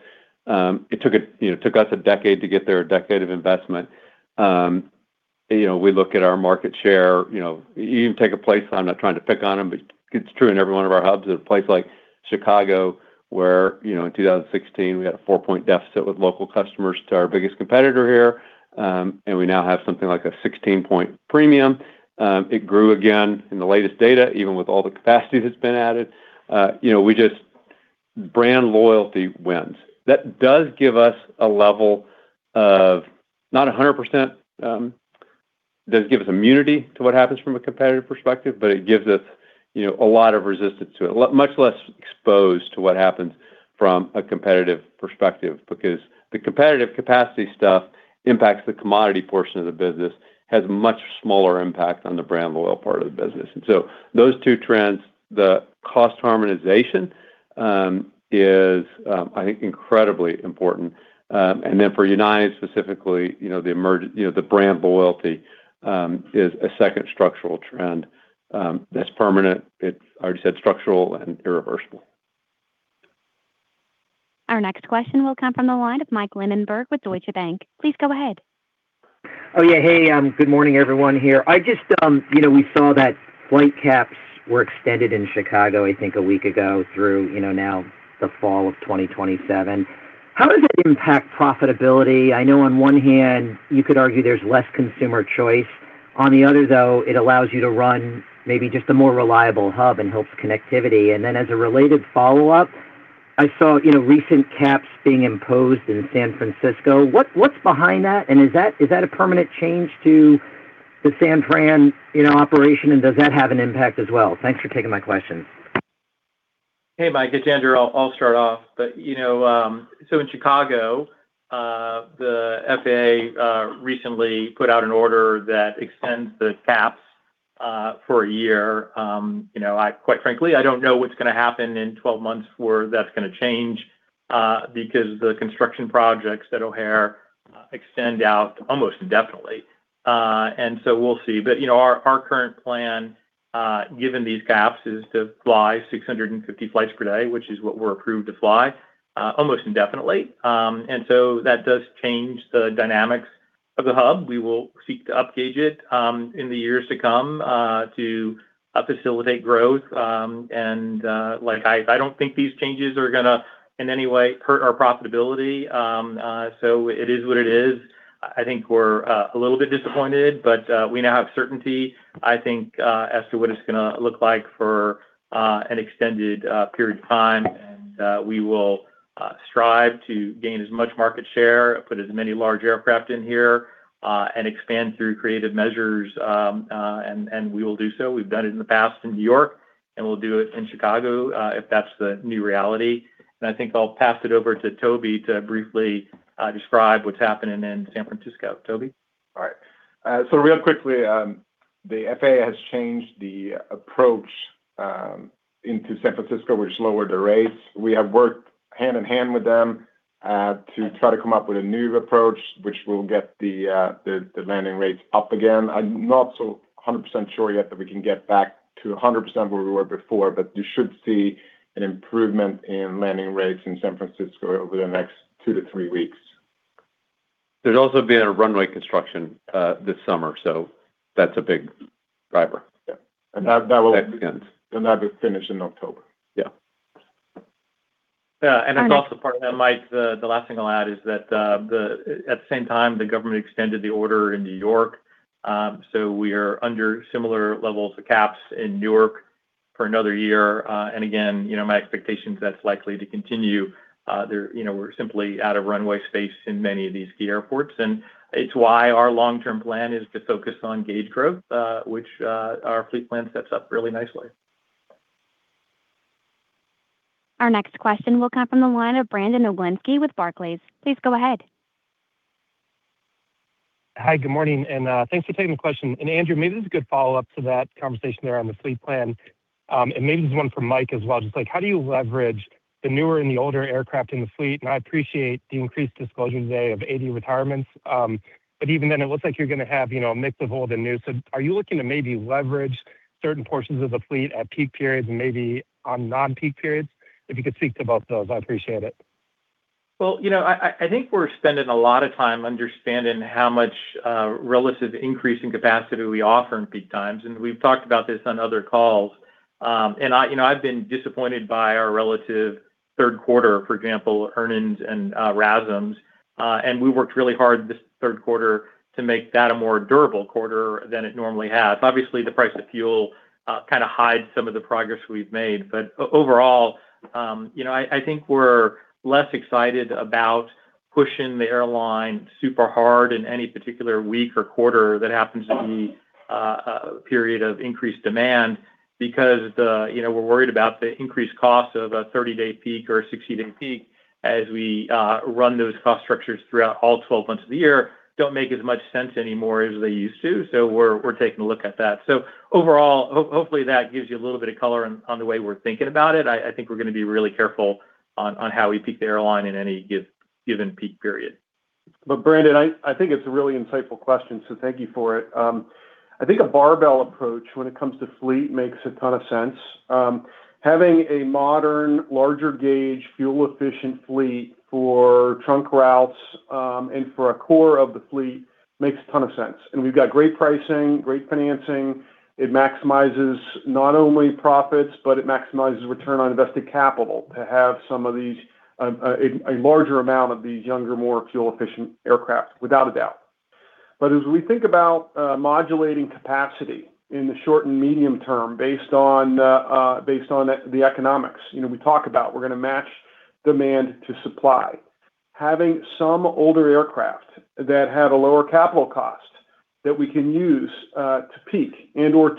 It took us a decade to get there, a decade of investment. We look at our market share. You can take a place, I'm not trying to pick on them, but it's true in every one of our hubs. At a place like Chicago, where in 2016, we had a 4-point deficit with local customers to our biggest competitor here, and we now have something like a 16-point premium. It grew again in the latest data, even with all the capacity that's been added. Brand loyalty wins. That does give us a level of, not 100%, doesn't give us immunity to what happens from a competitive perspective, but it gives us a lot of resistance to it. Much less exposed to what happens from a competitive perspective, because the competitive capacity stuff impacts the commodity portion of the business. Has much smaller impact on the brand loyal part of the business. Those two trends, the cost harmonization is, I think, incredibly important. For United specifically, the brand loyalty is a second structural trend that's permanent. I already said structural and irreversible. Our next question will come from the line of Mike Linenberg with Deutsche Bank. Please go ahead. Oh, yeah. Hey, good morning, everyone here. We saw that flight caps were extended in Chicago, I think a week ago through now the fall of 2027. How does that impact profitability? I know on one hand you could argue there's less consumer choice. On the other, though, it allows you to run maybe just a more reliable hub and helps connectivity. As a related follow-up, I saw recent caps being imposed in San Francisco. What's behind that, and is that a permanent change to the San Fran operation, and does that have an impact as well? Thanks for taking my question. Hey, Mike. It's Andrew. I'll start off. In Chicago, the FAA recently put out an order that extends the caps for a year. Quite frankly, I don't know what's going to happen in 12 months where that's going to change, because the construction projects at O'Hare extend out almost indefinitely. We'll see. Our current plan, given these caps, is to fly 650 flights per day, which is what we're approved to fly, almost indefinitely. That does change the dynamics of the hub. We will seek to up gauge it in the years to come to facilitate growth. I don't think these changes are going to, in any way, hurt our profitability. It is what it is. I think we're a little bit disappointed, but we now have certainty, I think, as to what it's going to look like for an extended period of time. We will strive to gain as much market share, put as many large aircraft in here, and expand through creative measures. We will do so. We've done it in the past in New York, and we'll do it in Chicago, if that's the new reality. I think I'll pass it over to Toby to briefly describe what's happening in San Francisco. Toby? All right. Real quickly, the FAA has changed the approach into San Francisco, which lowered the rates. We have worked hand-in-hand with them to try to come up with a new approach, which will get the landing rates up again. I'm not so 100% sure yet that we can get back to 100% where we were before, but you should see an improvement in landing rates in San Francisco over the next two to three weeks. There's also been a runway construction this summer, so that's a big driver. Yeah. That will be finished in October. Yeah. Yeah. It's also part, Mike, the last thing I'll add is that at the same time, the government extended the order in New York, we are under similar levels of caps in New York for another year. Again, my expectation is that's likely to continue. We're simply out of runway space in many of these key airports, it's why our long-term plan is to focus on gauge growth, which our fleet plan sets up really nicely. Our next question will come from the line of Brandon Oglenski with Barclays. Please go ahead. Hi, good morning, thanks for taking the question. Andrew, maybe this is a good follow-up to that conversation there on the fleet plan, maybe this is one for Mike as well. Just how do you leverage the newer and the older aircraft in the fleet? I appreciate the increased disclosure today of 80 retirements. Even then, it looks like you're going to have a mix of old and new. Are you looking to maybe leverage certain portions of the fleet at peak periods and maybe on non-peak periods? If you could speak to both of those, I'd appreciate it. Well, I think we're spending a lot of time understanding how much relative increase in capacity we offer in peak times, we've talked about this on other calls. I've been disappointed by our relative third quarter, for example, earnings and RASMs, we worked really hard this third quarter to make that a more durable quarter than it normally has. Obviously, the price of fuel kind of hides some of the progress we've made. Overall, I think we're less excited about pushing the airline super hard in any particular week or quarter that happens to be a period of increased demand because we're worried about the increased cost of a 30-day peak or a 60-day peak as we run those cost structures throughout all 12 months of the year, don't make as much sense anymore as they used to. We're taking a look at that. Overall, hopefully, that gives you a little bit of color on the way we're thinking about it. I think we're going to be really careful on how we peak the airline in any given peak period. Brandon, I think it's a really insightful question, so thank you for it. I think a barbell approach when it comes to fleet makes a ton of sense. Having a modern, larger gauge, fuel-efficient fleet for trunk routes, and for a core of the fleet, makes a ton of sense, and we've got great pricing, great financing. It maximizes not only profits, but it maximizes return on invested capital to have a larger amount of these younger, more fuel-efficient aircraft, without a doubt. As we think about modulating capacity in the short and medium term based on the economics, we talk about we're going to match demand to supply. Having some older aircraft that have a lower capital cost that we can use to peak and/or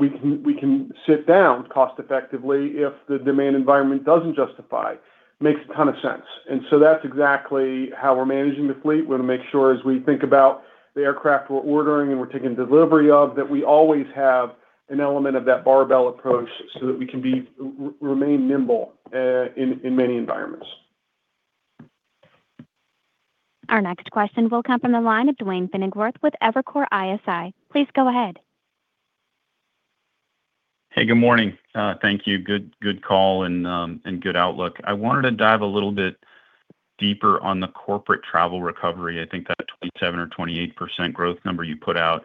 we can sit down cost-effectively if the demand environment doesn't justify, makes a ton of sense. That's exactly how we're managing the fleet. We want to make sure as we think about the aircraft we're ordering and we're taking delivery of, that we always have an element of that barbell approach so that we can remain nimble in many environments. Our next question will come from the line of Duane Pfennigwerth with Evercore ISI. Please go ahead. Hey, good morning. Thank you. Good call and good outlook. I wanted to dive a little bit deeper on the corporate travel recovery. I think that 27% or 28% growth number you put out.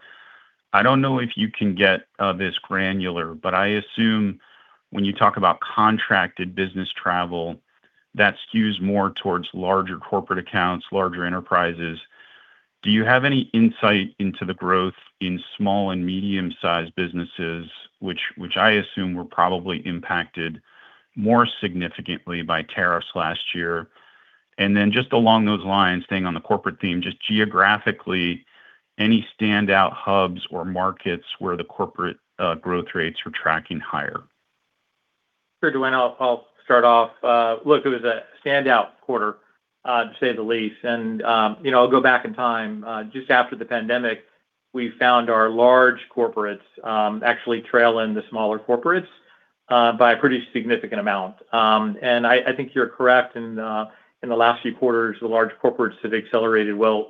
I don't know if you can get this granular, but I assume when you talk about contracted business travel, that skews more towards larger corporate accounts, larger enterprises. Do you have any insight into the growth in small and medium-sized businesses, which I assume were probably impacted more significantly by tariffs last year? Just along those lines, staying on the corporate theme, just geographically, any standout hubs or markets where the corporate growth rates are tracking higher? Sure, Duane, I'll start off. Look, it was a standout quarter to say the least. I'll go back in time. Just after the pandemic, we found our large corporates actually trailing the smaller corporates by a pretty significant amount. I think you're correct, in the last few quarters, the large corporates have accelerated well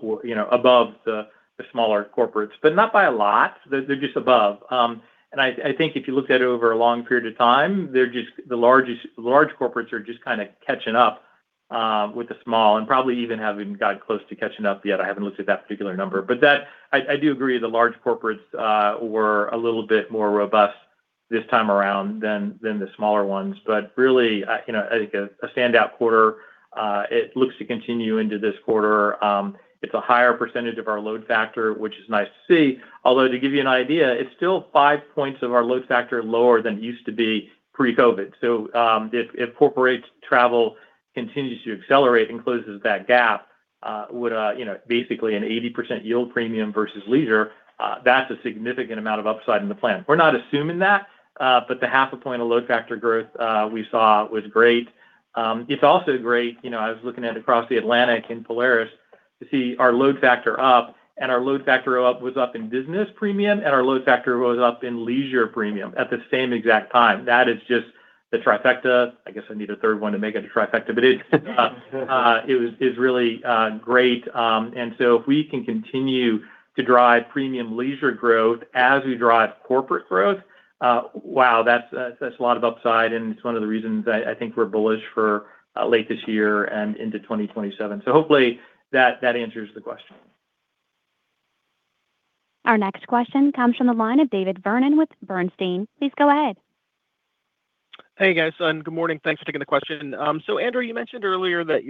above the smaller corporates, but not by a lot. They're just above. I think if you looked at it over a long period of time, the large corporates are just kind of catching up with the small, and probably even haven't got close to catching up yet. I haven't looked at that particular number. I do agree, the large corporates were a little bit more robust this time around than the smaller ones. Really, I think a standout quarter. It looks to continue into this quarter. It's a higher percentage of our load factor, which is nice to see. Although, to give you an idea, it's still 5 points of our load factor lower than it used to be pre-COVID. If corporate travel continues to accelerate and closes that gap with basically an 80% yield premium versus leisure, that's a significant amount of upside in the plan. We're not assuming that, the 0.5 point of load factor growth we saw was great. It's also great, I was looking at across the Atlantic in Polaris to see our load factor up, and our load factor was up in business premium, and our load factor was up in leisure premium at the same exact time. That is just the trifecta. I guess I need a third one to make it a trifecta, it is really great. If we can continue to drive premium leisure growth as we drive corporate growth, wow, that's a lot of upside and it's one of the reasons I think we're bullish for late this year and into 2027. Hopefully that answers the question. Our next question comes from the line of David Vernon with Bernstein. Please go ahead. Hey, guys, and good morning. Thanks for taking the question. Andrew, you mentioned earlier that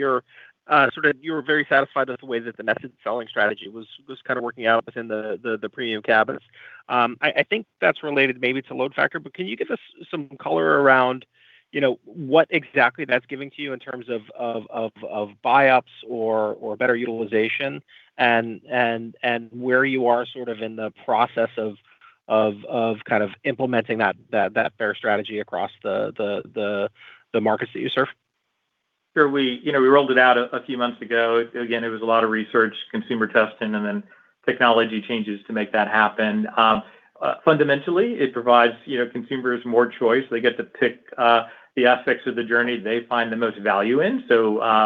you were very satisfied with the way that the method of selling strategy was kind of working out within the premium cabins. I think that's related maybe to load factor, but can you give us some color around what exactly that's giving to you in terms of buy-ups or better utilization and where you are sort of in the process of implementing that fare strategy across the markets that you serve? Sure. We rolled it out a few months ago. Again, it was a lot of research, consumer testing, and then technology changes to make that happen. Fundamentally, it provides consumers more choice. They get to pick the aspects of the journey they find the most value in.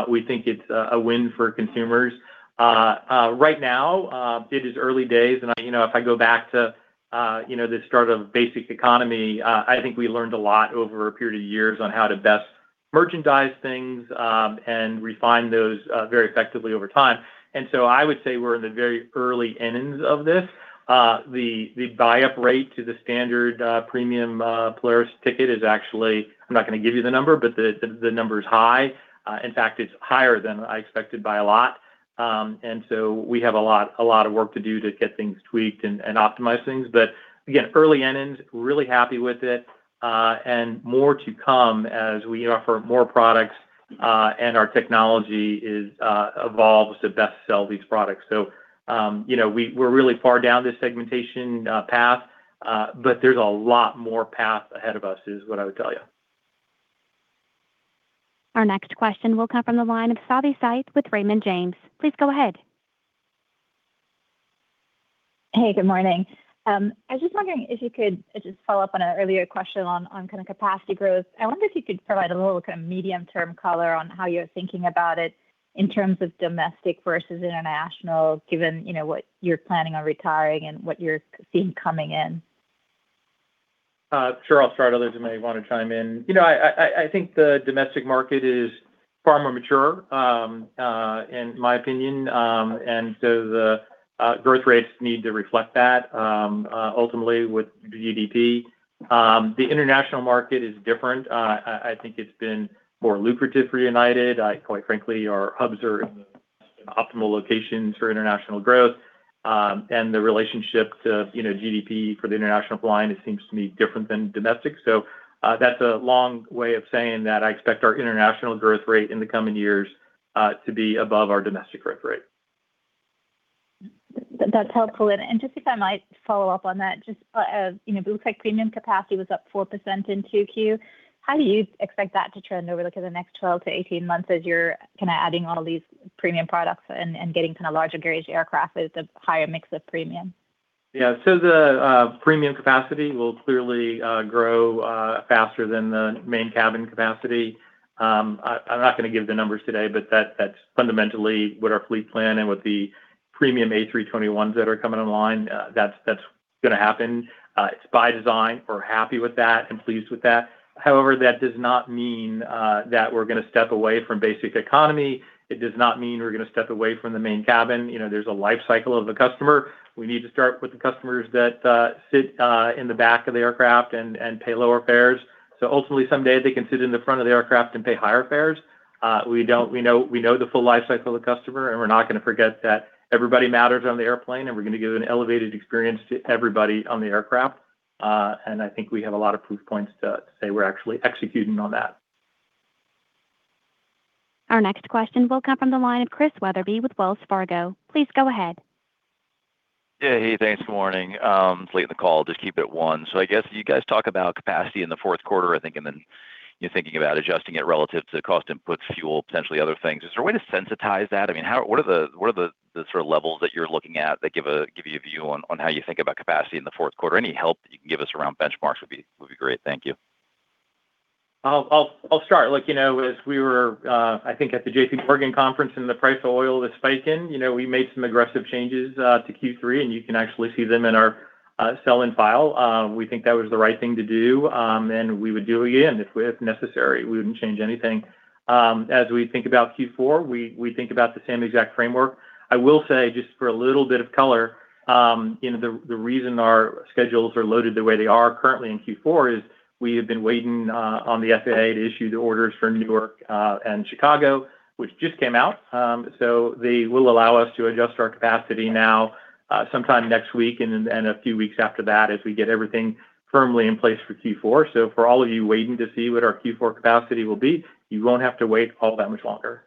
We think it's a win for consumers. Right now, it is early days. If I go back to the start of basic economy, I think we learned a lot over a period of years on how to best merchandise things, and refine those very effectively over time. I would say we're in the very early innings of this. The buy-up rate to the standard premium Polaris ticket is actually, I'm not going to give you the number, but the number's high. In fact, it's higher than I expected by a lot. We have a lot of work to do to get things tweaked and optimize things. Again, early innings, really happy with it, and more to come as we offer more products, and our technology evolves to best sell these products. We're really far down this segmentation path, but there's a lot more path ahead of us, is what I would tell you. Our next question will come from the line of Savi Syth with Raymond James. Please go ahead. Hey, good morning. I was just wondering if you could just follow up on an earlier question on kind of capacity growth. I wonder if you could provide a little kind of medium-term color on how you're thinking about it in terms of domestic versus international, given what you're planning on retiring and what you're seeing coming in. Sure. I'll start. Others may want to chime in. I think the domestic market is far more mature, in my opinion. The growth rates need to reflect that, ultimately with the GDP. The international market is different. I think it's been more lucrative for United. Quite frankly, our hubs are in optimal locations for international growth. The relationship to GDP for the international line, it seems to me, different than domestic. That's a long way of saying that I expect our international growth rate in the coming years to be above our domestic growth rate. That's helpful. Just if I might follow up on that just, it looks like premium capacity was up 4% in 2Q. How do you expect that to trend over, look at the next 12-18 months as you're kind of adding all these premium products and getting kind of larger gauge aircraft with a higher mix of premium? Yeah. The premium capacity will clearly grow faster than the main cabin capacity. I'm not going to give the numbers today, but that's fundamentally what our fleet plan and with the premium A321s that are coming online, that's going to happen. It's by design. We're happy with that and pleased with that. However, that does not mean that we're going to step away from basic economy. It does not mean we're going to step away from the main cabin. There's a life cycle of the customer. We need to start with the customers that sit in the back of the aircraft and pay lower fares. Ultimately, someday, they can sit in the front of the aircraft and pay higher fares. We know the full life cycle of the customer. We're not going to forget that everybody matters on the airplane. We're going to give an elevated experience to everybody on the aircraft. I think we have a lot of proof points to say we're actually executing on that. Our next question will come from the line of Chris Wetherbee with Wells Fargo. Please go ahead. Yeah. Hey, thanks, morning. I'm late in the call. Just keep it at one. I guess you guys talk about capacity in the fourth quarter, I think, and then you're thinking about adjusting it relative to cost inputs, fuel, potentially other things. Is there a way to sensitize that? I mean, what are the sort of levels that you're looking at that give you a view on how you think about capacity in the fourth quarter? Any help that you can give us around benchmarks would be great. Thank you. I'll start. Look, as we were, I think, at the J.P. Morgan conference and the price of oil was spiking, we made some aggressive changes to Q3, and you can actually see them in our sell-in file. We think that was the right thing to do, and we would do it again if necessary. We wouldn't change anything. As we think about Q4, we think about the same exact framework. I will say, just for a little bit of color, the reason our schedules are loaded the way they are currently in Q4 is we have been waiting on the FAA to issue the orders for New York and Chicago, which just came out. They will allow us to adjust our capacity now, sometime next week, and a few weeks after that as we get everything firmly in place for Q4. For all of you waiting to see what our Q4 capacity will be, you won't have to wait all that much longer.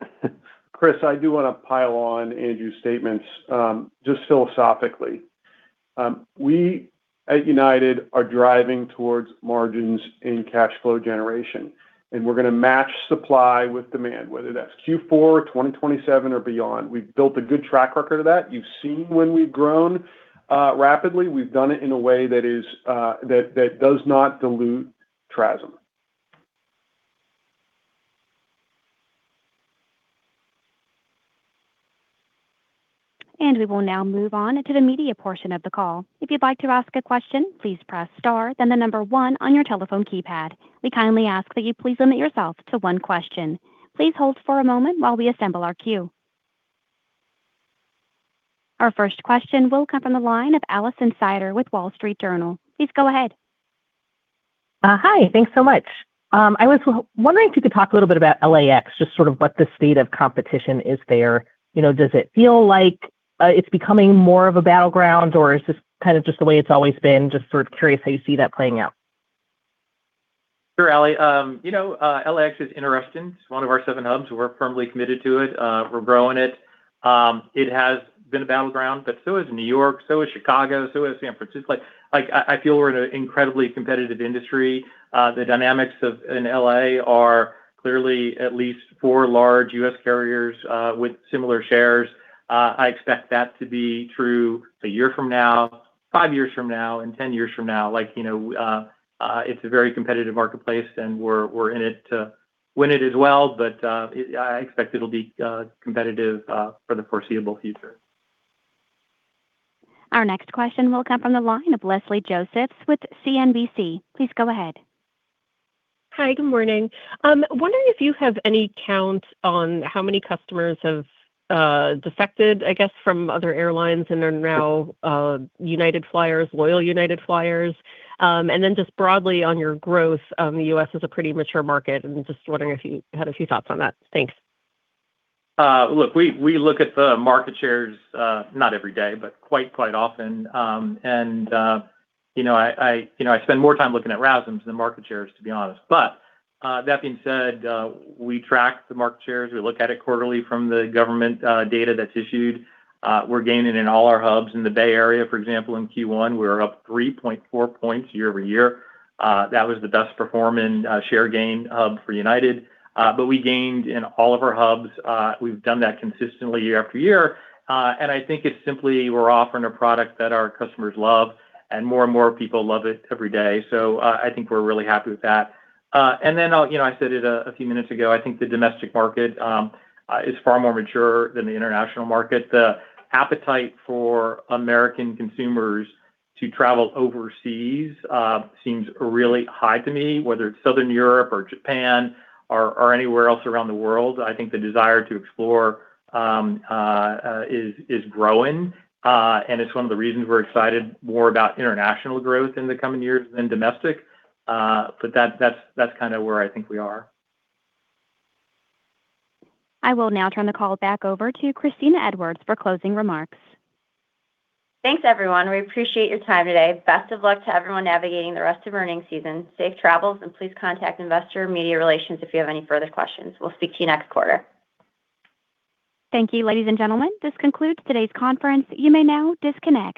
Chris, I do want to pile on Andrew's statements, just philosophically. We at United are driving towards margins in cash flow generation, and we're going to match supply with demand, whether that's Q4 2027 or beyond. We've built a good track record of that. You've seen when we've grown rapidly, we've done it in a way that does not dilute PRASM. We will now move on to the media portion of the call. If you'd like to ask a question, please press star, then the number one on your telephone keypad. We kindly ask that you please limit yourself to one question. Please hold for a moment while we assemble our queue. Our first question will come from the line of Alison Sider with The Wall Street Journal. Please go ahead. Hi, thanks so much. I was wondering if you could talk a little bit about LAX, just sort of what the state of competition is there. Does it feel like it's becoming more of a battleground, or is this kind of just the way it's always been? Just sort of curious how you see that playing out. Sure, Allie. LAX is interesting. It's one of our seven hubs. We're firmly committed to it. We're growing it. It has been a battleground, so has New York, so has Chicago, so has San Francisco. I feel we're in an incredibly competitive industry. The dynamics in L.A. are clearly at least four large U.S. carriers with similar shares. I expect that to be true a year from now, five years from now and 10 years from now. It's a very competitive marketplace, and we're in it to win it as well. I expect it'll be competitive for the foreseeable future. Our next question will come from the line of Leslie Josephs with CNBC. Please go ahead. Hi, good morning. I'm wondering if you have any count on how many customers have defected, I guess, from other airlines and are now United flyers, loyal United flyers. Just broadly on your growth, the U.S. is a pretty mature market and just wondering if you had a few thoughts on that. Thanks. Look, we look at the market shares, not every day, but quite often. I spend more time looking at RASMs than market shares, to be honest. That being said, we track the market shares. We look at it quarterly from the government data that's issued. We're gaining in all our hubs. In the Bay Area, for example, in Q1, we were up 3.4 points year-over-year. That was the best-performing share gain hub for United. We gained in all of our hubs. We've done that consistently year after year. I think it's simply we're offering a product that our customers love, and more and more people love it every day. I think we're really happy with that. I said it a few minutes ago, I think the domestic market is far more mature than the international market. The appetite for American consumers to travel overseas seems really high to me, whether it's Southern Europe or Japan or anywhere else around the world. I think the desire to explore is growing. It's one of the reasons we're excited more about international growth in the coming years than domestic. That's kind of where I think we are. I will now turn the call back over to Kristina Edwards for closing remarks. Thanks, everyone. We appreciate your time today. Best of luck to everyone navigating the rest of earnings season. Safe travels, and please contact investor or media relations if you have any further questions. We'll speak to you next quarter. Thank you, ladies and gentlemen. This concludes today's conference. You may now disconnect.